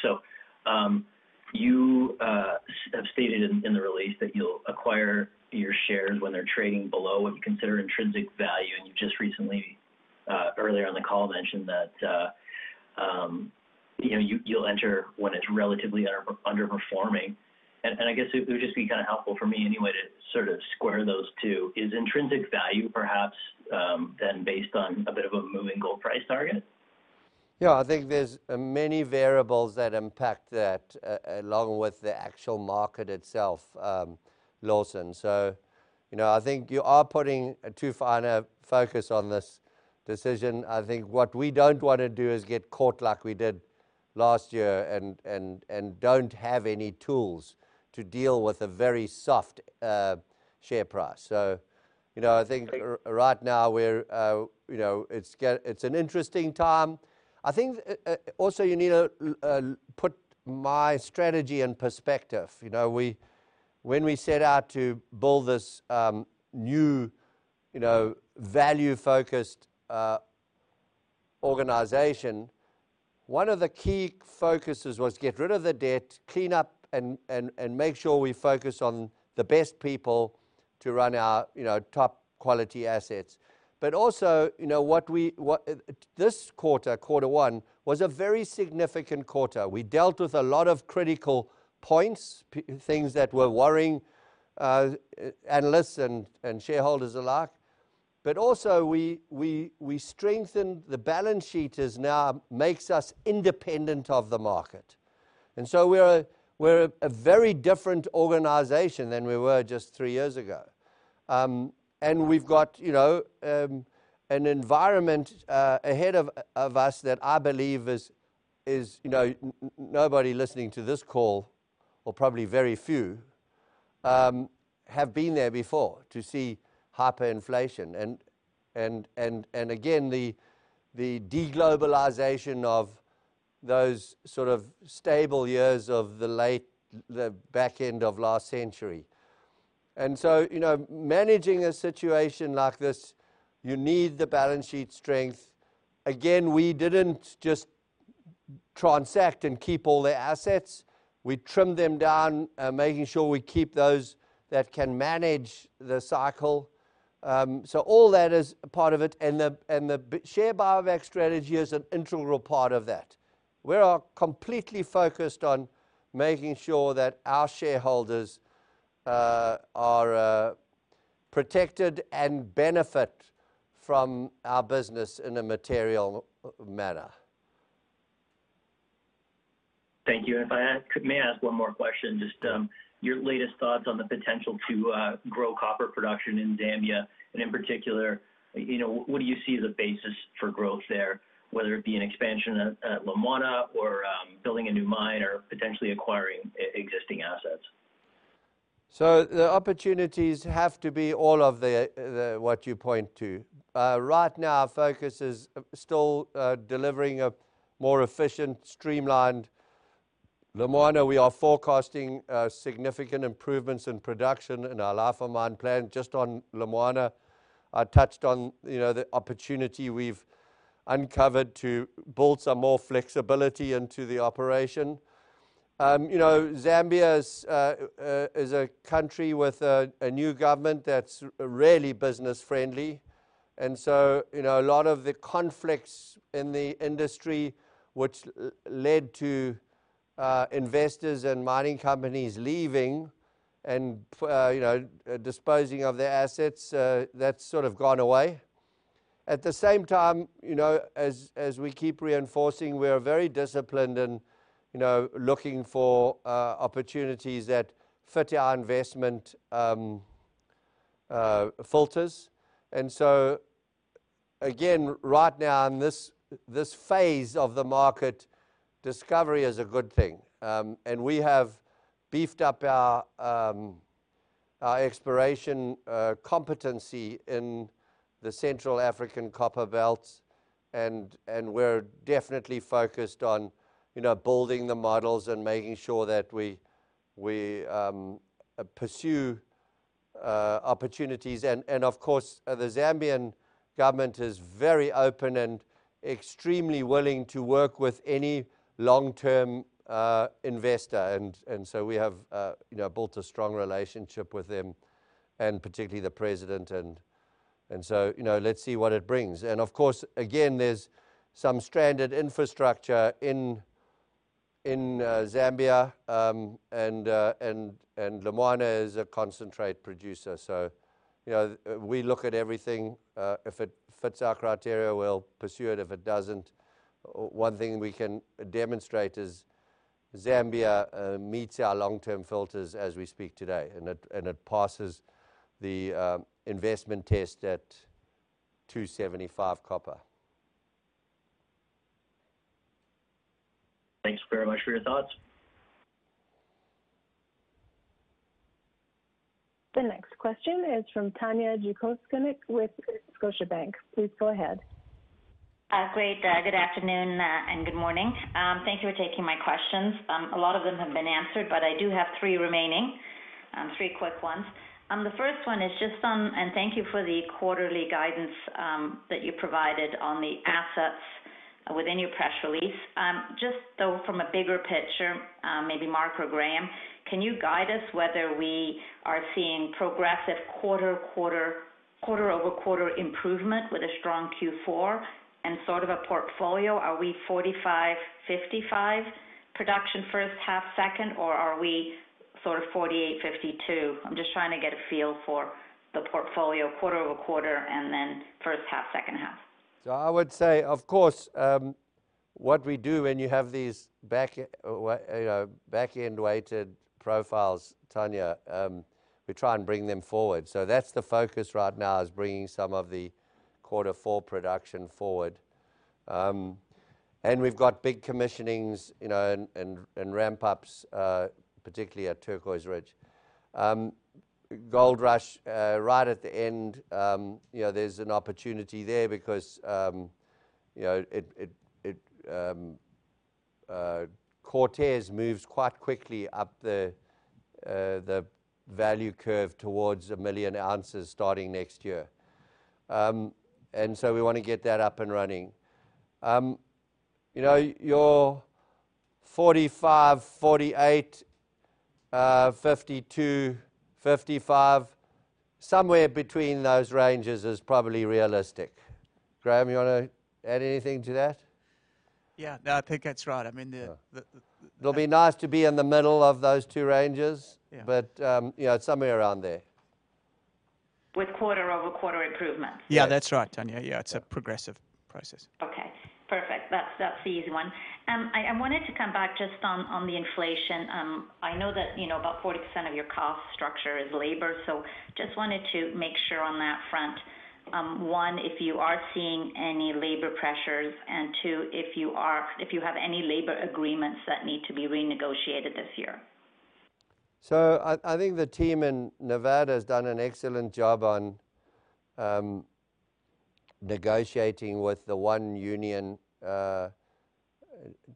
You have stated in the release that you'll acquire your shares when they're trading below what you consider intrinsic value. You just recently, earlier in the call mentioned that, you know, you'll enter when it's relatively underperforming. I guess it would just be kinda helpful for me anyway to sort of square those two. Is intrinsic value perhaps then based on a bit of a moving goal price target? Yeah. I think there's many variables that impact that along with the actual market itself, Lawson. You know, I think you are putting too fine a focus on this decision. I think what we don't wanna do is get caught like we did last year and don't have any tools to deal with a very soft share price. You know, I think right now we're, you know, it's an interesting time. I think also you need to put my strategy in perspective. You know, when we set out to build this new, you know, value-focused organization, one of the key focuses was get rid of the debt, clean up and make sure we focus on the best people to run our, you know, top quality assets. This quarter one was a very significant quarter. We dealt with a lot of critical points, things that were worrying analysts and shareholders alike. We strengthened the balance sheet. It now makes us independent of the market. We're a very different organization than we were just three years ago. We've got, you know, an environment ahead of us that I believe is, you know, nobody listening to this call or probably very few have been there before to see hyperinflation and again, the de-globalization of those sort of stable years of the late back end of last century. You know, managing a situation like this, you need the balance sheet strength. Again, we didn't just transact and keep all the assets. We trimmed them down, making sure we keep those that can manage the cycle. All that is a part of it. The buyback strategy is an integral part of that. We are completely focused on making sure that our shareholders are protected and benefit from our business in a material manner. Thank you. May I ask one more question? Just your latest thoughts on the potential to grow copper production in Zambia, and in particular, you know, what do you see as a basis for growth there, whether it be an expansion at Lumwana or building a new mine or potentially acquiring existing assets? The opportunities have to be all of what you point to. Right now our focus is still delivering a more efficient, streamlined Lumwana. We are forecasting significant improvements in production in our life of mine plan just on Lumwana. I touched on you know the opportunity we've uncovered to build some more flexibility into the operation. You know Zambia is a country with a new government that's really business friendly. You know a lot of the conflicts in the industry which led to investors and mining companies leaving and you know disposing of their assets that's sort of gone away. At the same time you know as we keep reinforcing we are very disciplined and you know looking for opportunities that fit our investment filters. Again, right now in this phase of the market, discovery is a good thing. We have beefed up our exploration competency in the Central African Copperbelt and we're definitely focused on, you know, building the models and making sure that we pursue opportunities. Of course, the Zambian government is very open and extremely willing to work with any long-term investor. We have, you know, built a strong relationship with them and particularly the president and, you know, let's see what it brings. Of course, again, there's some stranded infrastructure in Zambia and Lumwana is a concentrate producer. You know, we look at everything, if it fits our criteria, we'll pursue it. If it doesn't, one thing we can demonstrate is Zambia meets our long-term filters as we speak today, and it passes the investment test at $275 copper. Thanks very much for your thoughts. The next question is from Tanya Jakusconek with Scotiabank. Please go ahead. Great. Good afternoon and good morning. Thank you for taking my questions. A lot of them have been answered, but I do have three quick ones. The first one is just on, and thank you for the quarterly guidance that you provided on the assets within your press release. Just so from a bigger picture, maybe Mark or Graham, can you guide us whether we are seeing progressive quarter-over-quarter improvement with a strong Q4 and sort of a portfolio? Are we 45-55 production first half second, or are we sort of 48-52? I'm just trying to get a feel for the portfolio quarter-over-quarter and then first half, second half. I would say, of course, what we do when you have these back-end weighted profiles, Tanya, we try and bring them forward. That's the focus right now is bringing some of the quarter four production forward. We've got big commissionings, you know, and ramp-ups, particularly at Turquoise Ridge. Goldrush right at the end, you know, there's an opportunity there because Cortez moves quite quickly up the value curve towards 1 million ounces starting next year. We wanna get that up and running. You know, your 45, 48, 52, 55, somewhere between those ranges is probably realistic. Graham, you wanna add anything to that? Yeah. No, I think that's right. I mean, It'll be nice to be in the middle of those two ranges. Yeah. You know, it's somewhere around there. With quarter-over-quarter improvements? Yeah, that's right, Tanya. Yeah, it's a progressive process. Okay, perfect. That's the easy one. I wanted to come back just on the inflation. I know that, you know, about 40% of your cost structure is labor. Just wanted to make sure on that front, one, if you are seeing any labor pressures, and two, if you have any labor agreements that need to be renegotiated this year. I think the team in Nevada has done an excellent job on negotiating with the one union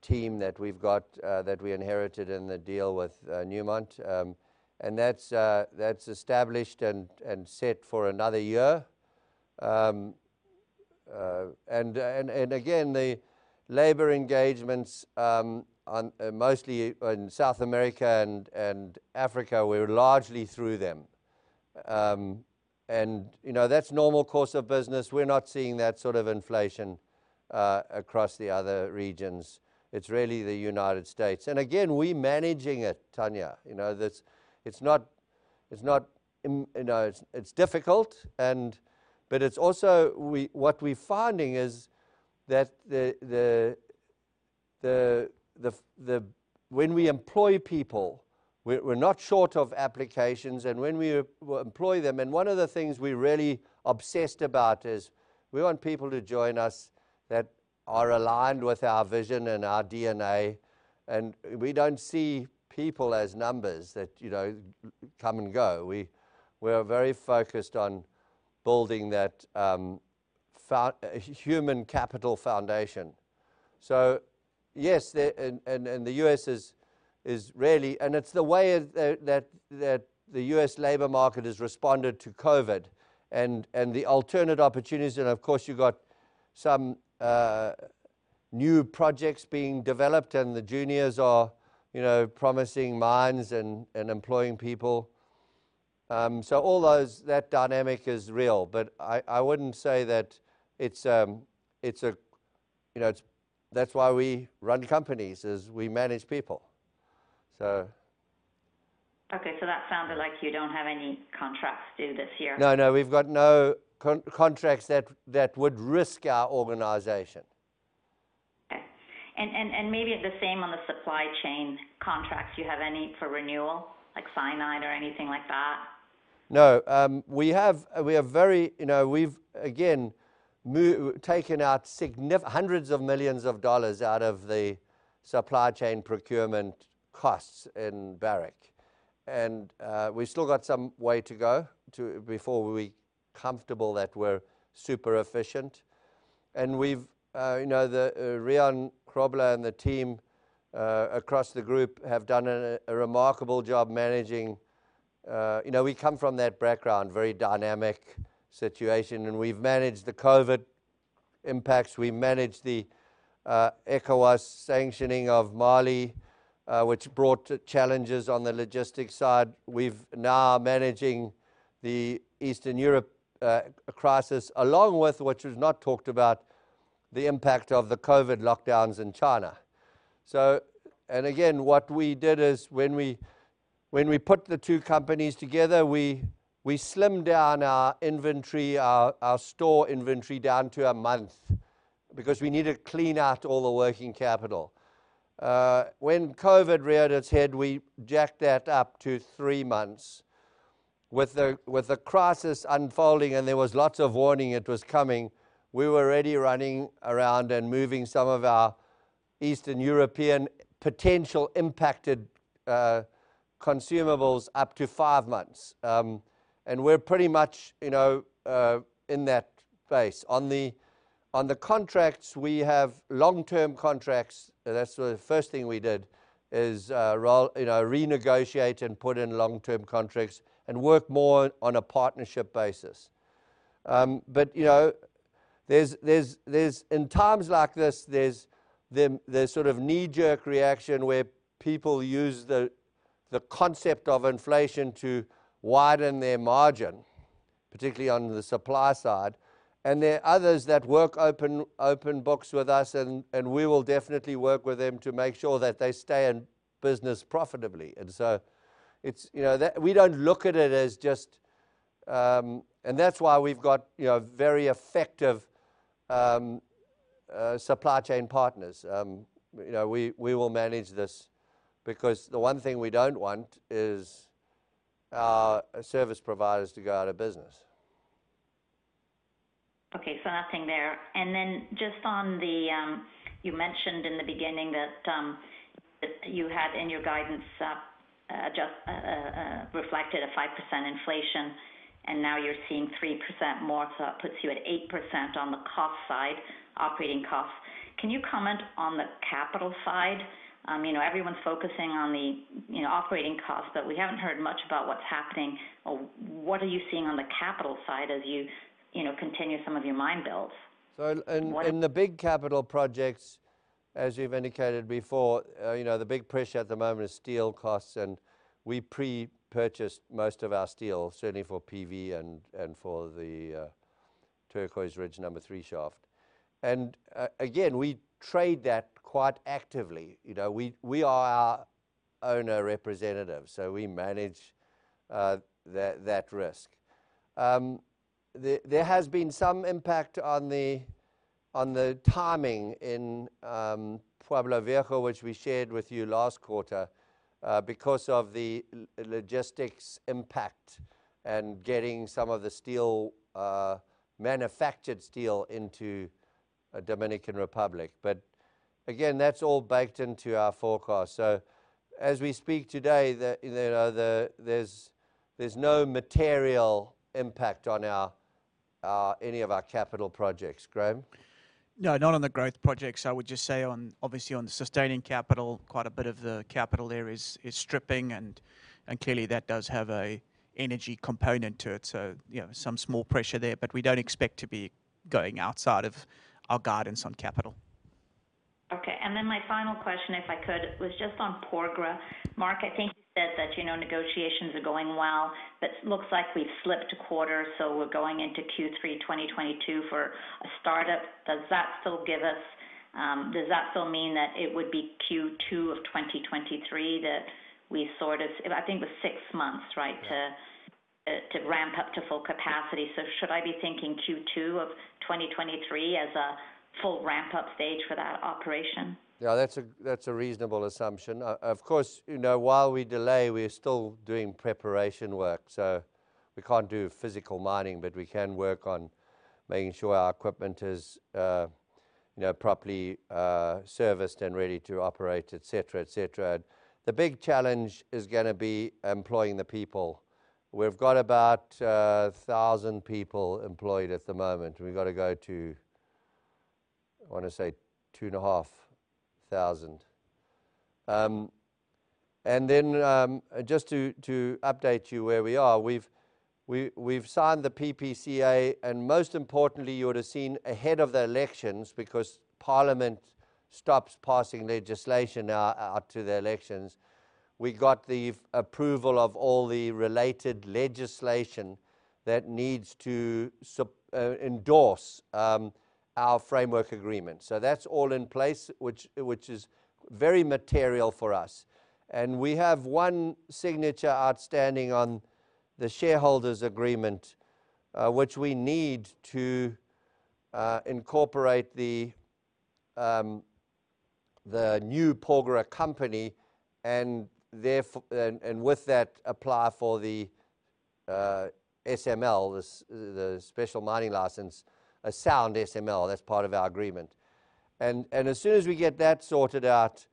team that we've got that we inherited in the deal with Newmont. That's established and set for another year. Again, the labor engagements ongoing mostly in South America and Africa, we're largely through them. You know, that's normal course of business. We're not seeing that sort of inflation across the other regions. It's really the U.S. Again, we're managing it, Tanya. You know, that's. It's not, you know, it's difficult, but it's also what we're finding is that when we employ people, we're not short of applications. When we employ them, one of the things we're really obsessed about is we want people to join us that are aligned with our vision and our DNA. We don't see people as numbers that, you know, come and go. We're very focused on building that human capital foundation. Yes, and the U.S. is really. It's the way that the U.S. labor market has responded to COVID and the alternative opportunities. Of course, you've got some new projects being developed, and the juniors are, you know, promising mines and employing people. All those, that dynamic is real. I wouldn't say that it's a, you know, that's why we run companies, is we manage people. Okay. That sounded like you don't have any contracts due this year? No, no, we've got no contracts that would risk our organization. Okay. Maybe the same on the supply chain contracts. Do you have any for renewal, like cyanide or anything like that? No, we have very, you know, we've again taken out hundreds of millions of dollars out of the supply chain procurement costs in Barrick. We've still got some way to go before we comfortable that we're super efficient. We've you know the Rehan Khrobah and the team across the group have done a remarkable job managing you know we come from that background, very dynamic situation, and we've managed the COVID impacts. We managed the ECOWAS sanctioning of Mali, which brought challenges on the logistics side. We're now managing the Eastern Europe crisis, along with what you've not talked about, the impact of the COVID lockdowns in China. Again, what we did is when we put the two companies together, we slimmed down our inventory, our store inventory down to a month because we need to clean out all the working capital. When COVID reared its head, we jacked that up to three months. With the crisis unfolding, and there was lots of warning it was coming, we were already running around and moving some of our Eastern European potential impacted consumables up to five months. We're pretty much in that phase. On the contracts, we have long-term contracts. That's the first thing we did is renegotiate and put in long-term contracts and work more on a partnership basis. You know, in times like this, there's the sort of knee-jerk reaction where people use the concept of inflation to widen their margin, particularly on the supply side. There are others that work open books with us, and we will definitely work with them to make sure that they stay in business profitably. It's, you know, that we don't look at it as just. That's why we've got, you know, very effective supply chain partners. You know, we will manage this because the one thing we don't want is our service providers to go out of business. Okay. Nothing there. Just on the, you mentioned in the beginning that you had in your guidance, just reflected a 5% inflation and now you're seeing 3% more, so that puts you at 8% on the cost side, operating costs. Can you comment on the capital side? You know, everyone's focusing on the, you know, operating costs, but we haven't heard much about what's happening or what are you seeing on the capital side as you know, continue some of your mine builds? In the big capital projects, as you've indicated before, you know, the big pressure at the moment is steel costs, and we pre-purchased most of our steel, certainly for PV and for the Turquoise Ridge number three shaft. Again, we trade that quite actively. You know, we are our own representative, so we manage that risk. There has been some impact on the timing in Pueblo Viejo, which we shared with you last quarter, because of the logistics impact and getting some of the steel manufactured steel into the Dominican Republic. Again, that's all baked into our forecast. As we speak today, you know, there's no material impact on any of our capital projects. Graham? No, not on the growth projects. I would just say on, obviously on sustaining capital, quite a bit of the capital there is stripping and clearly that does have an energy component to it. You know, some small pressure there, but we don't expect to be going outside of our guidance on capital. Okay. My final question, if I could, was just on Porgera. Mark, I think you said that, you know, negotiations are going well, but looks like we've slipped a quarter, so we're going into Q3 2022 for a startup. Does that still give us. Does that still mean that it would be Q2 of 2023 that we sort of I think it was six months, right? Yeah. To ramp up to full capacity. Should I be thinking Q2 of 2023 as a full ramp-up stage for that operation? Yeah, that's a reasonable assumption. Of course, you know, while we delay, we're still doing preparation work. We can't do physical mining, but we can work on making sure our equipment is, you know, properly serviced and ready to operate, et cetera. The big challenge is gonna be employing the people. We've got about 1,000 people employed at the moment. We've got to go to, I wanna say, 2,500. Just to update you where we are, we've signed the PPCA, and most importantly, you would've seen ahead of the elections, because parliament stops passing legislation now up to the elections, we got the approval of all the related legislation that needs to endorse our framework agreement. That's all in place, which is very material for us. We have one signature outstanding on the shareholders' agreement, which we need to incorporate the new Porgera company and therefore and with that apply for the SML, the Special Mining License, a sound SML. That's part of our agreement. As soon as we get that sorted out,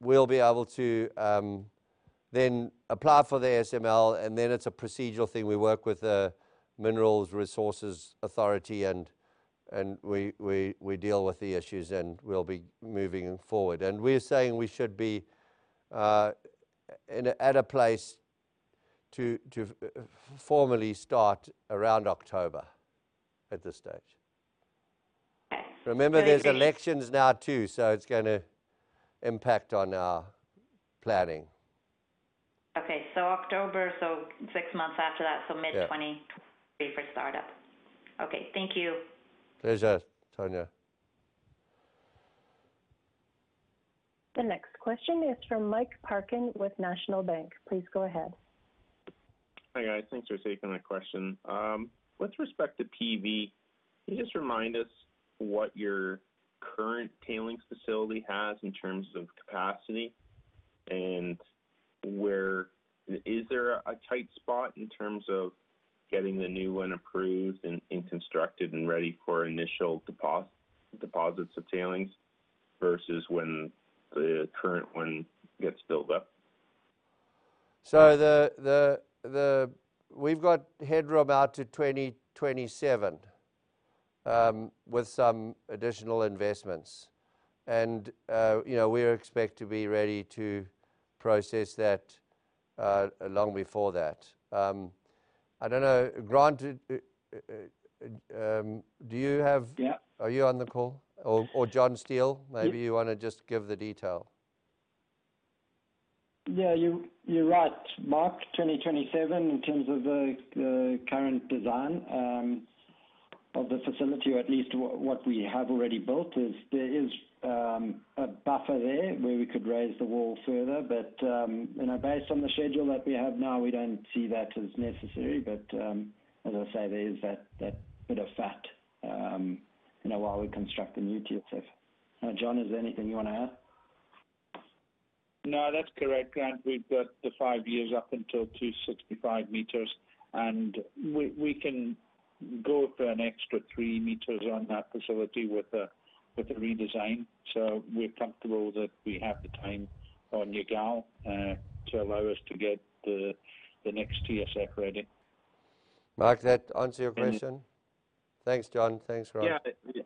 we'll be able to then apply for the SML, and then it's a procedural thing. We work with the Mineral Resources Authority, and we deal with the issues, and we'll be moving forward. We're saying we should be at a place to formally start around October at this stage. Okay. Remember, there's elections now too, so it's gonna impact on our planning. Okay. October, so six months after that. Yeah. Mid-2023 for startup. Okay, thank you. Pleasure, Tanya. The next question is from Mike Parkin with National Bank. Please go ahead. Hi, guys. Thanks for taking my question. With respect to PV, can you just remind us what your current tailings facility has in terms of capacity and where is there a tight spot in terms of getting the new one approved and constructed and ready for initial deposits of tailings versus when the current one gets built up? We've got headroom out to 2027 with some additional investments. You know, we expect to be ready to process that long before that. I don't know. Grant, do you have- Yeah. Are you on the call? Or John Steele. Yeah. Maybe you wanna just give the detail. Yeah, you're right, Mark. 2027 in terms of the current design of the facility, or at least what we have already built is there a buffer there where we could raise the wall further. You know, based on the schedule that we have now, we don't see that as necessary. As I say, there is that bit of fat, you know, while we construct the new TSF. Now, John, is there anything you wanna add? No, that's correct, Grant. We've got the five years up until 265 meters, and we can go for an extra three meters on that facility with the redesign. We're comfortable that we have the time on Ngul to allow us to get the next TSF ready. Mark, does that answer your question? Mm-hmm. Thanks, John. Thanks, Grant. Yeah.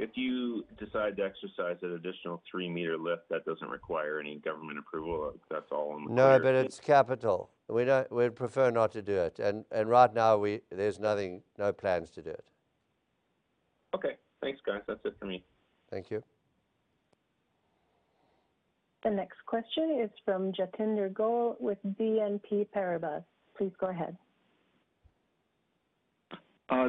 If you decide to exercise that additional three-meter lift, that doesn't require any government approval? That's all on the clear. No, but it's capital. We'd prefer not to do it. Right now there's nothing, no plans to do it. Okay. Thanks, guys. That's it for me. Thank you. The next question is from Jatinder Goel with BNP Paribas. Please go ahead.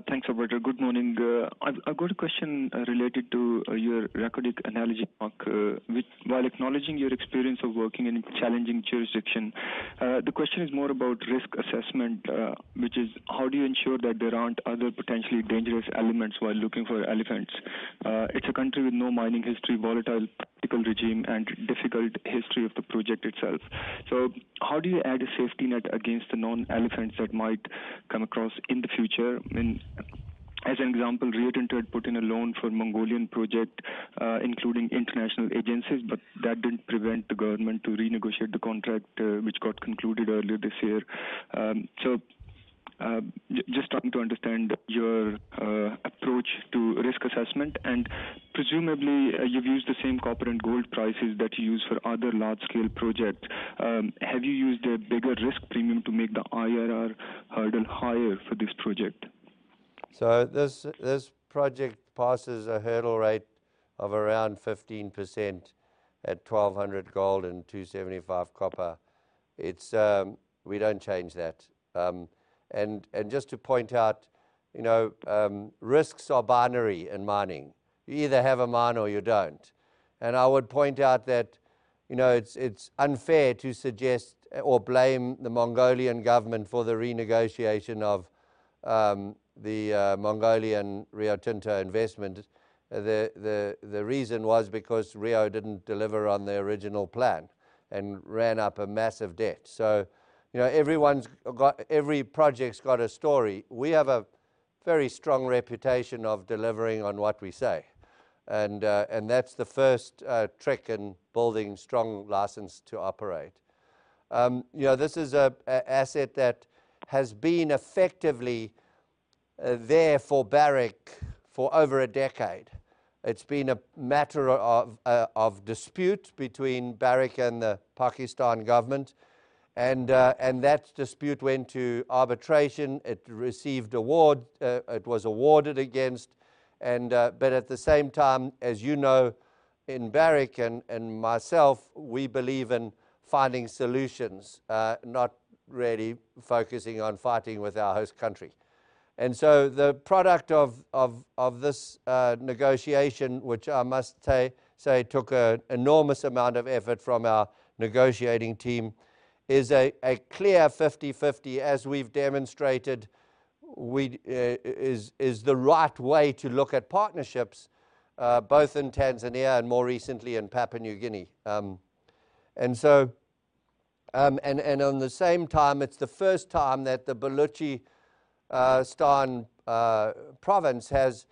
Thanks, Alberto. Good morning. I've got a question related to your record analogy, Mark. Which while acknowledging your experience of working in a challenging jurisdiction, the question is more about risk assessment, which is how do you ensure that there aren't other potentially dangerous elements while looking for elephants? It's a country with no mining history, volatile political regime, and difficult history of the project itself. How do you add a safety net against the known elephants that might come across in the future? As an example, Rio Tinto had put in a loan for Mongolian project, including international agencies, but that didn't prevent the government to renegotiate the contract, which got concluded earlier this year. Just trying to understand your approach to risk assessment. Presumably, you've used the same corporate gold prices that you use for other large-scale projects. Have you used a bigger risk premium to make the IRR hurdle higher for this project? This project passes a hurdle rate of around 15% at $1,200 gold and $2.75 copper. We don't change that. Just to point out, you know, risks are binary in mining. You either have a mine or you don't. I would point out that, you know, it's unfair to suggest or blame the Mongolian government for the renegotiation of the Mongolian Rio Tinto investment. The reason was because Rio didn't deliver on the original plan and ran up a massive debt. You know, every project's got a story. We have a very strong reputation of delivering on what we say, and that's the first trick in building strong license to operate. You know, this is an asset that has been effectively there for Barrick for over a decade. It's been a matter of dispute between Barrick and the Pakistani government and that dispute went to arbitration. It received award, it was awarded against. But at the same time, as you know, in Barrick and myself, we believe in finding solutions, not really focusing on fighting with our host country. The product of this negotiation, which I must say took an enormous amount of effort from our negotiating team, is a clear 50/50 as we've demonstrated we'd is the right way to look at partnerships, both in Tanzania and more recently in Papua New Guinea. At the same time, it's the first time that the Balochistan province has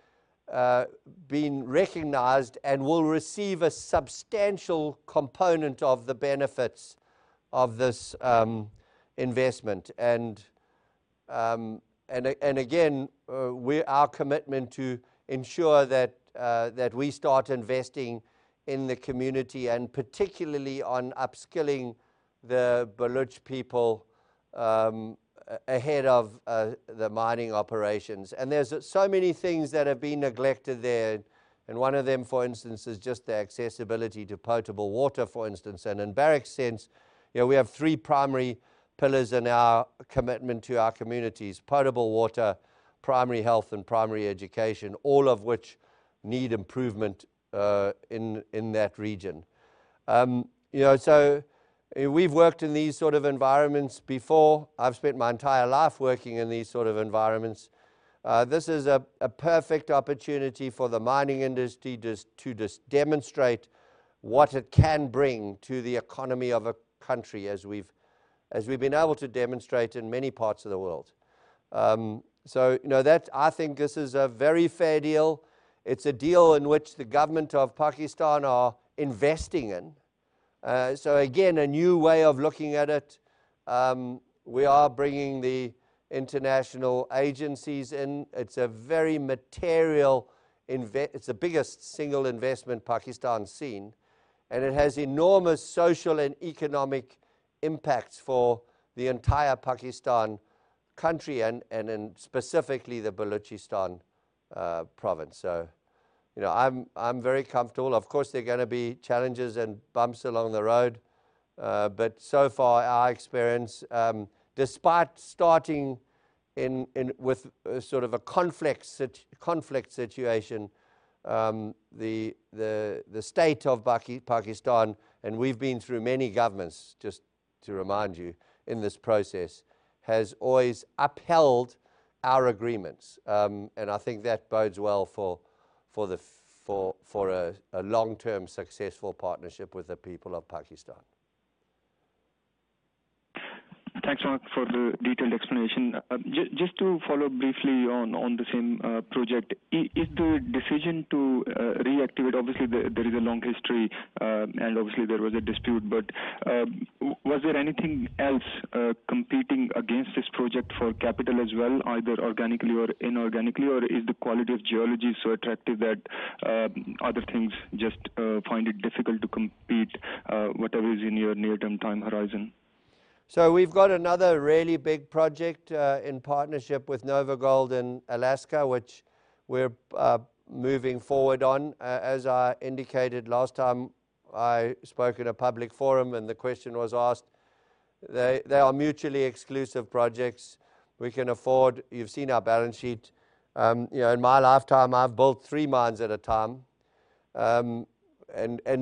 been recognized and will receive a substantial component of the benefits of this investment. Again, our commitment to ensure that we start investing in the community and particularly on upskilling the Baloch people ahead of the mining operations. There are so many things that have been neglected there, and one of them, for instance, is just the accessibility to potable water. In Barrick's case, you know, we have three primary pillars in our commitment to our communities, potable water, primary health, and primary education, all of which need improvement in that region. You know, we've worked in these sort of environments before. I've spent my entire life working in these sort of environments. This is a perfect opportunity for the mining industry just to demonstrate what it can bring to the economy of a country as we've been able to demonstrate in many parts of the world. You know, I think this is a very fair deal. It's a deal in which the government of Pakistan are investing in. Again, a new way of looking at it. We are bringing the international agencies in. It's the biggest single investment Pakistan's seen, and it has enormous social and economic impacts for the entire Pakistan country and in specifically the Balochistan province. You know, I'm very comfortable. Of course, there are gonna be challenges and bumps along the road. So far, our experience, despite starting with sort of a conflict situation, the state of Pakistan, and we've been through many governments, just to remind you, in this process has always upheld our agreements. I think that bodes well for a long-term successful partnership with the people of Pakistan. Thanks, Mark, for the detailed explanation. Just to follow briefly on the same project. Is the decision to reactivate? Obviously there is a long history, and obviously there was a dispute. Was there anything else competing against this project for capital as well, either organically or inorganically? Or is the quality of geology so attractive that other things just find it difficult to compete, whatever is in your near-term time horizon? We've got another really big project in partnership with NOVAGOLD in Alaska, which we're moving forward on. As I indicated last time I spoke in a public forum and the question was asked, they are mutually exclusive projects. We can afford. You've seen our balance sheet. You know, in my lifetime, I've built three mines at a time.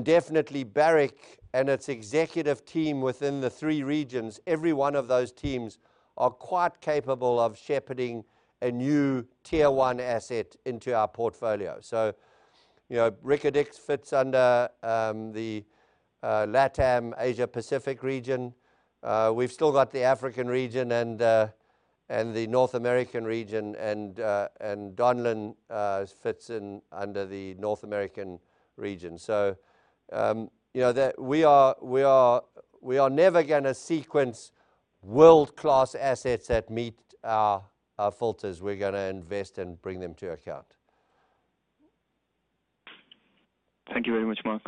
Definitely Barrick and its executive team within the three regions, every one of those teams are quite capable of shepherding a new tier one asset into our portfolio. You know, Reko Diq fits under the LATAM Asia Pacific region. We've still got the African region and the North American region and Donlin Gold fits in under the North American region. You know, we are never gonna sequence world-class assets that meet our filters. We're gonna invest and bring them to our account. Thank you very much, Mark.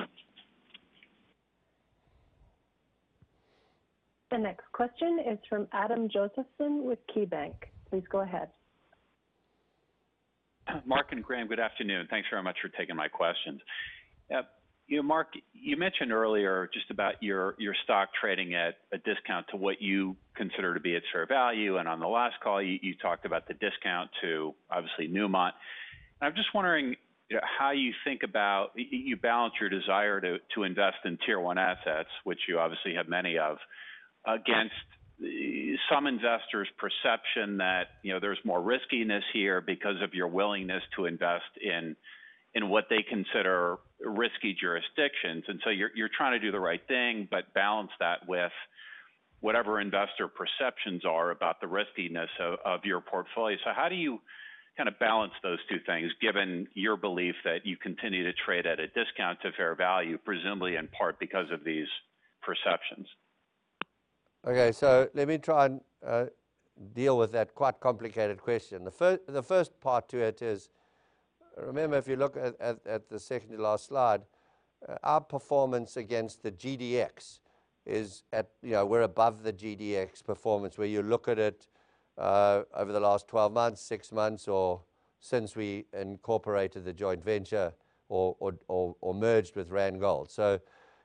The next question is from Adam Josephson with KeyBanc. Please go ahead. Mark and Graham, good afternoon. Thanks very much for taking my questions. You know, Mark, you mentioned earlier just about your stock trading at a discount to what you consider to be its fair value. On the last call, you talked about the discount to, obviously, Newmont. I'm just wondering, you know, how you think about you balance your desire to invest in tier one assets, which you obviously have many of, against some investors' perception that, you know, there's more riskiness here because of your willingness to invest in what they consider risky jurisdictions. You're trying to do the right thing, but balance that with whatever investor perceptions are about the riskiness of your portfolio. How do you kinda balance those two things, given your belief that you continue to trade at a discount to fair value, presumably in part because of these perceptions? Okay. Let me try and deal with that quite complicated question. The first part to it is, remember, if you look at the second to last slide, our performance against the GDX is at. You know, we're above the GDX performance, where you look at it over the last 12 months, six months, or since we incorporated the joint venture or merged with Randgold.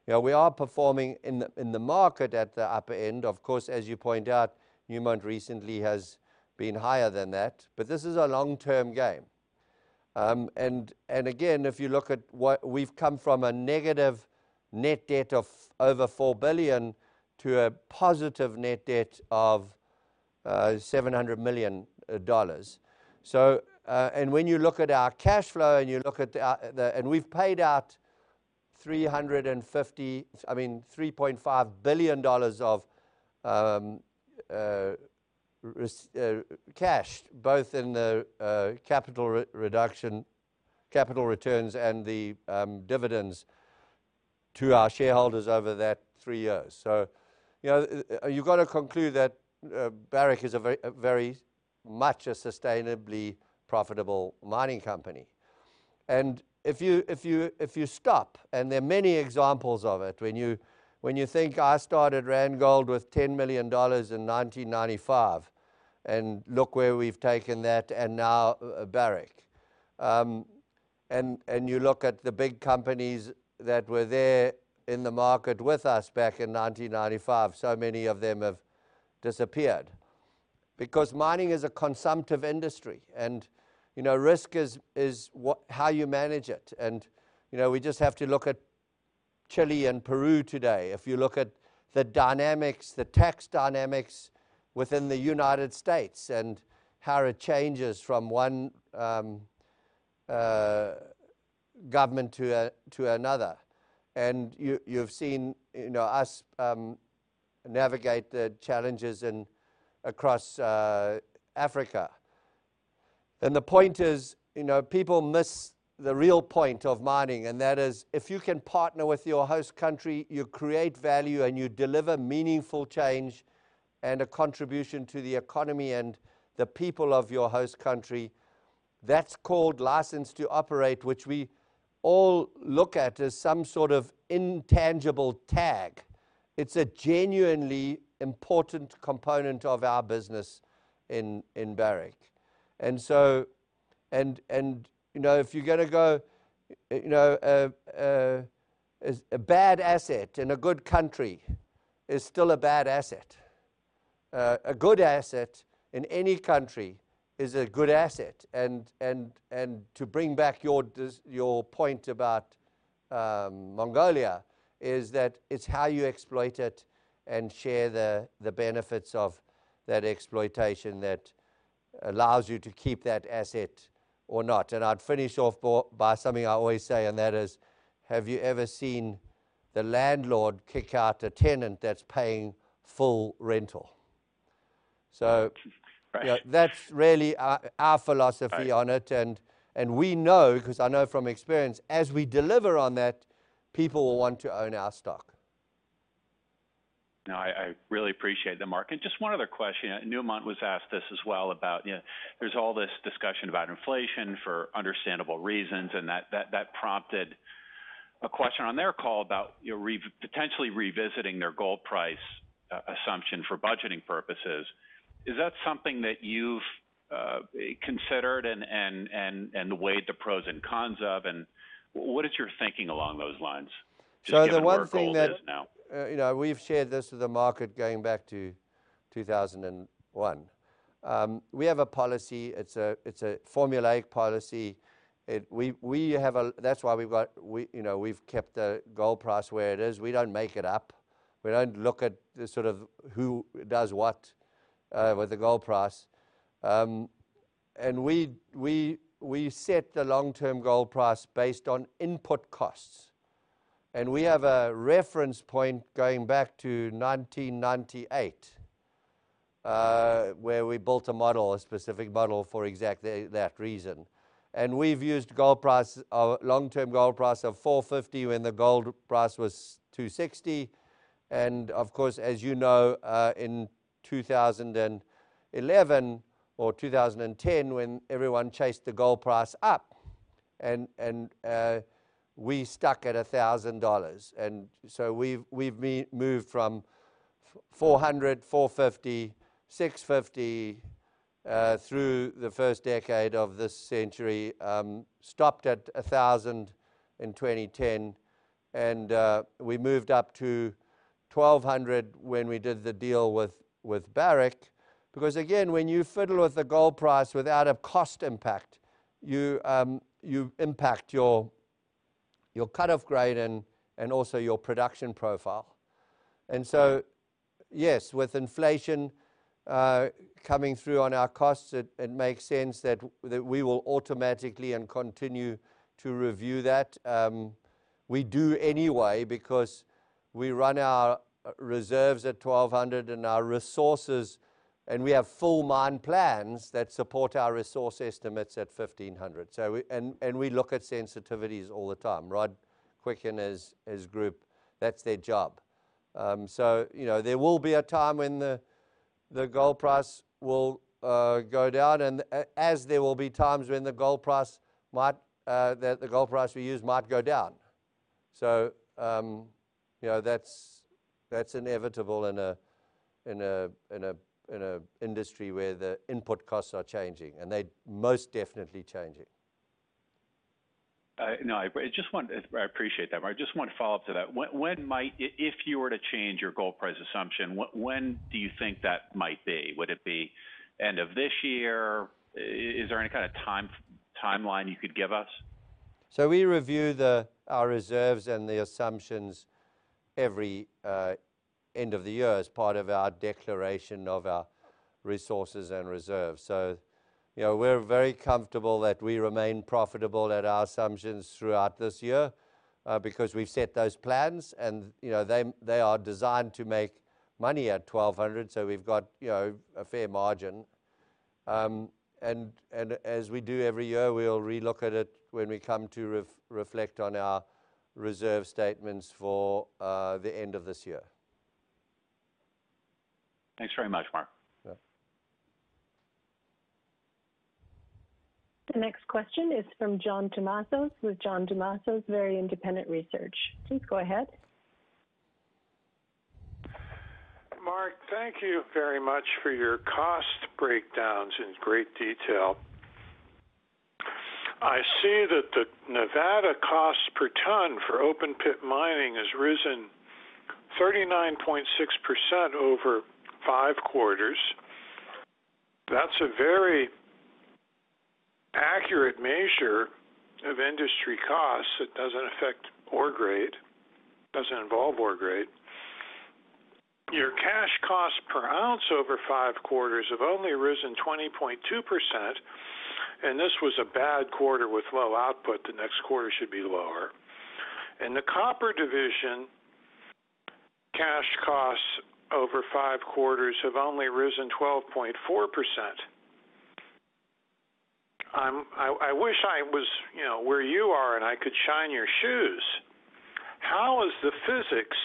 You know, we are performing in the market at the upper end. Of course, as you point out, Newmont recently has been higher than that, but this is a long-term game. And again, if you look at what we've come from a negative net debt of over $4 billion to a positive net debt of $700 million. When you look at our cash flow, and you look at our. We've paid out $3.5 billion, I mean, of cash both in the capital reduction, capital returns, and the dividends to our shareholders over that three years. You know, you've got to conclude that Barrick is very much a sustainably profitable mining company. If you stop, there are many examples of it, when you think I started Randgold with $10 million in 1995, and look where we've taken that and now Barrick. You look at the big companies that were there in the market with us back in 1995, so many of them have disappeared because mining is a consumptive industry. You know, risk is how you manage it. You know, we just have to look at Chile and Peru today. If you look at the dynamics, the tax dynamics within the U.S. and how it changes from one government to another. You've seen, you know, us navigate the challenges across Africa. The point is, you know, people miss the real point of mining, and that is if you can partner with your host country, you create value, and you deliver meaningful change and a contribution to the economy and the people of your host country. That's called license to operate, which we all look at as some sort of intangible tag. It's a genuinely important component of our business in Barrick. You know, if you're gonna go, you know, a bad asset in a good country is still a bad asset. A good asset in any country is a good asset. To bring back your point about Mongolia is that it's how you exploit it and share the benefits of that exploitation that allows you to keep that asset or not. I'd finish off by something I always say, and that is, have you ever seen the landlord kick out a tenant that's paying full rental? Right you know, that's really our philosophy on it. We know, because I know from experience, as we deliver on that, people will want to own our stock. No, I really appreciate that, Mark. Just one other question. Newmont was asked this as well about, you know, there's all this discussion about inflation for understandable reasons, and that prompted a question on their call about, you know, potentially revisiting their gold price assumption for budgeting purposes. Is that something that you've considered and weighed the pros and cons of? What is your thinking along those lines? The one thing that Given where gold is now. You know, we've shared this with the market going back to 2001. We have a policy, it's a formulaic policy. That's why, you know, we've kept the gold price where it is. We don't make it up. We don't look at the sort of who does what with the gold price. We set the long-term gold price based on input costs. We have a reference point going back to 1998 where we built a model, a specific model for exactly that reason. We've used gold price, long-term gold price of $450 when the gold price was $260. Of course, as you know, in 2011 or 2010 when everyone chased the gold price up, we stuck at $1,000. We've moved from $400, $450, $650 through the first decade of this century, stopped at $1,000 in 2010 and we moved up to $1,200 when we did the deal with Barrick. Because again, when you fiddle with the gold price without a cost impact, you impact your cut-off grade and also your production profile. Yes, with inflation coming through on our costs it makes sense that we will automatically and continue to review that. We do anyway because we run our reserves at $1,200 and our resources, and we have full mine plans that support our resource estimates at $1,500. And we look at sensitivities all the time. Rod Quicken, his group, that's their job. You know, there will be a time when the gold price will go down and as there will be times when the gold price we use might go down. You know, that's inevitable in an industry where the input costs are changing, and they're most definitely changing. No, I appreciate that, Mark. I just want to follow up to that. When might if you were to change your gold price assumption, when do you think that might be? Would it be end of this year? Is there any kind of time, timeline you could give us? We review our reserves and the assumptions every end of the year as part of our declaration of our resources and reserves. You know, we're very comfortable that we remain profitable at our assumptions throughout this year because we've set those plans and, you know, they are designed to make money at $1,200, so we've got, you know, a fair margin. As we do every year, we'll relook at it when we come to reflect on our reserve statements for the end of this year. Thanks very much, Mark. Yeah. The next question is from John Tumazos with John Tumazos Very Independent Research. Please go ahead. Mark, thank you very much for your cost breakdowns in great detail. I see that the Nevada cost per ton for open pit mining has risen 39.6% over five quarters. That's a very accurate measure of industry costs. It doesn't affect ore grade, doesn't involve ore grade. Your cash costs per ounce over five quarters have only risen 20.2%, and this was a bad quarter with low output. The next quarter should be lower. In the copper division, cash costs over five quarters have only risen 12.4%. I wish I was, you know, where you are and I could shine your shoes. How is the physics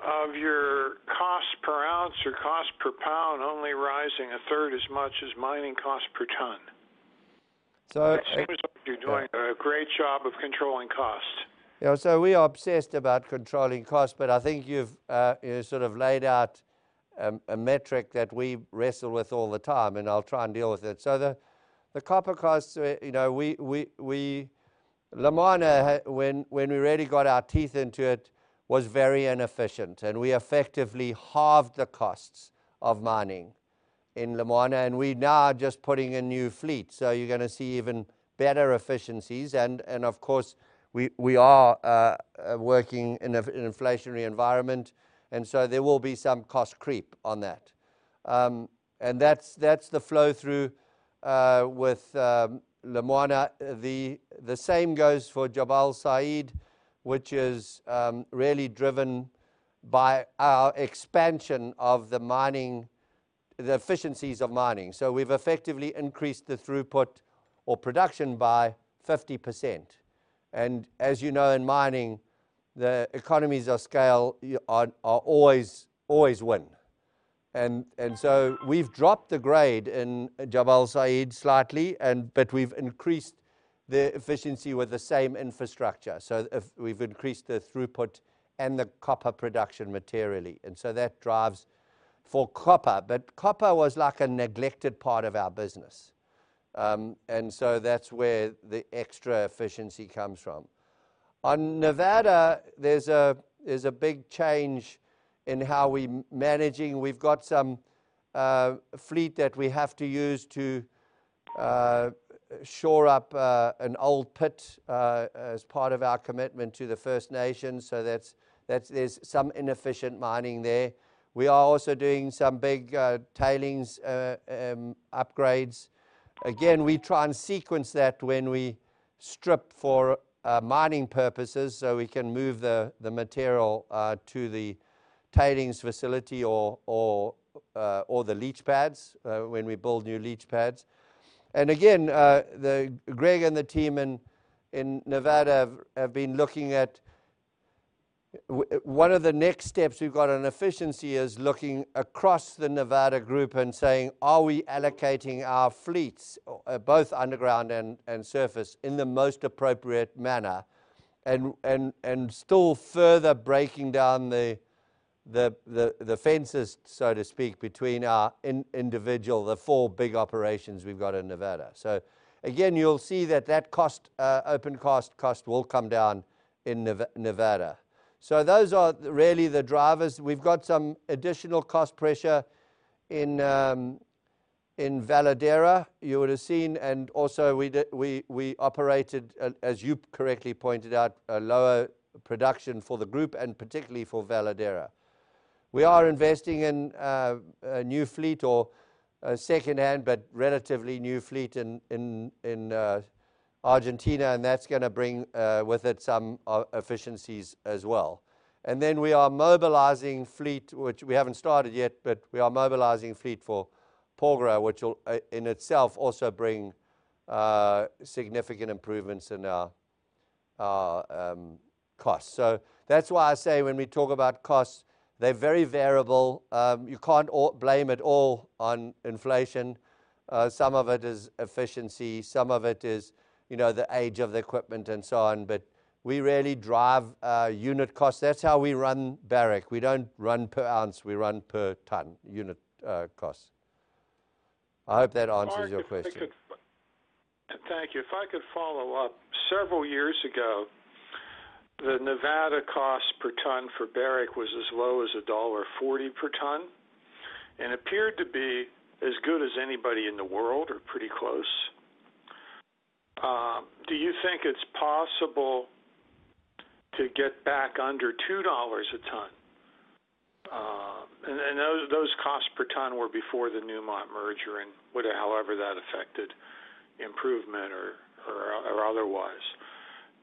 of your cost per ounce or cost per pound only rising a third as much as mining cost per ton? So, uh- It seems like you're doing a great job of controlling costs. Yeah, we are obsessed about controlling costs, but I think you've you know, sort of laid out a metric that we wrestle with all the time, and I'll try and deal with it. The copper costs, you know, Lumwana, when we really got our teeth into it, was very inefficient, and we effectively halved the costs of mining in Lumwana, and we now are just putting in new fleets, so you're gonna see even better efficiencies. Of course, we are working in an inflationary environment, and there will be some cost creep on that. That's the flow through with Lumwana. The same goes for Jabal Sayid, which is really driven by our expansion of the mining, the efficiencies of mining. We've effectively increased the throughput or production by 50%. As you know, in mining, the economies of scale are always win. We've dropped the grade in Jabal Sayid slightly, but we've increased the efficiency with the same infrastructure. If we've increased the throughput and the copper production materially, that drives for copper. Copper was like a neglected part of our business. That's where the extra efficiency comes from. On Nevada, there's a big change in how we're managing. We've got some fleet that we have to use to shore up an old pit as part of our commitment to the First Nations. There's some inefficient mining there. We are also doing some big tailings upgrades. Again, we try and sequence that when we strip for mining purposes, so we can move the material to the tailings facility or the leach pads when we build new leach pads. Again, Greg and the team in Nevada have been looking at one of the next steps we've got on efficiency is looking across the Nevada group and saying, are we allocating our fleets both underground and surface, in the most appropriate manner and still further breaking down the fences, so to speak, between the four big operations we've got in Nevada. Again, you'll see that OpEx cost will come down in Nevada. Those are really the drivers. We've got some additional cost pressure in Veladero. You would have seen, and also we operated, as you correctly pointed out, a lower production for the group, and particularly for Veladero. We are investing in a new fleet or a secondhand but relatively new fleet in Argentina, and that's gonna bring with it some efficiencies as well. We are mobilizing fleet, which we haven't started yet, but we are mobilizing fleet for Porgera, which will in itself also bring significant improvements in our costs. That's why I say when we talk about costs, they're very variable. You can't blame it all on inflation. Some of it is efficiency, some of it is, you know, the age of the equipment and so on. We really drive unit costs. That's how we run Barrick. We don't run per ounce, we run per ton, unit, costs. I hope that answers your question. Mark, if I could follow up, several years ago, the Nevada cost per ton for Barrick was as low as $1.40 per ton and appeared to be as good as anybody in the world or pretty close. Do you think it's possible to get back under $2 per ton? And those costs per ton were before the Newmont merger and however that affected improvement or otherwise.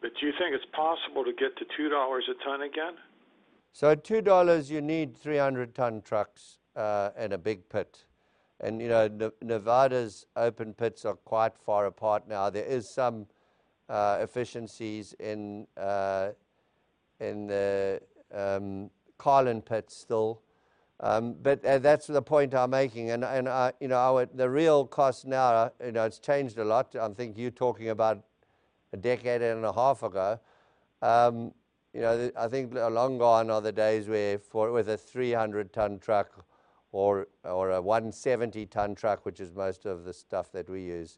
Do you think it's possible to get to $2 per ton again? At $2 you need 300-ton trucks and a big pit. You know, Nevada's open pits are quite far apart now. There is some efficiencies in the Carlin pit still. But that's the point I'm making and I you know I would. The real cost now you know it's changed a lot. I'm thinking you're talking about a decade and a half ago. You know I think long gone are the days where with a 300-ton truck or a 170-ton truck which is most of the stuff that we use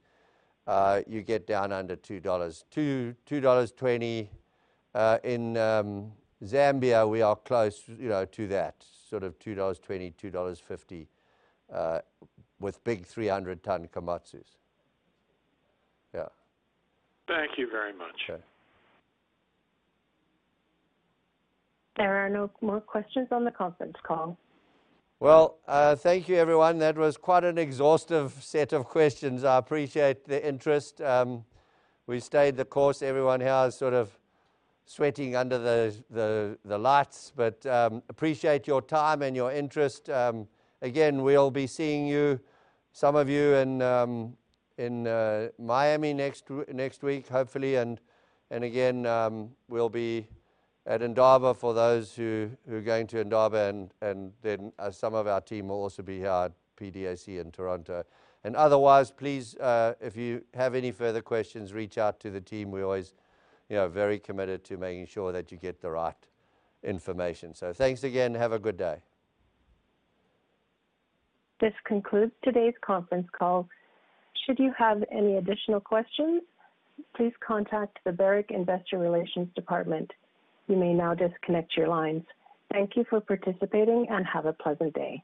you get down under $2. $2.20 in Zambia we are close you know to that sort of $2.20 $2.50 with big 300-ton Komatsu. Thank you very much. Sure. There are no more questions on the conference call. Well, thank you everyone. That was quite an exhaustive set of questions. I appreciate the interest. We stayed the course. Everyone here is sort of sweating under the lights. But appreciate your time and your interest. Again, we'll be seeing you, some of you in Miami next week, hopefully. Again, we'll be at Indaba for those who are going to Indaba and then some of our team will also be here at PDAC in Toronto. Otherwise, please, if you have any further questions, reach out to the team. We're always, you know, very committed to making sure that you get the right information. Thanks again and have a good day. This concludes today's conference call. Should you have any additional questions, please contact the Barrick Investor Relations department. You may now disconnect your lines. Thank you for participating and have a pleasant day.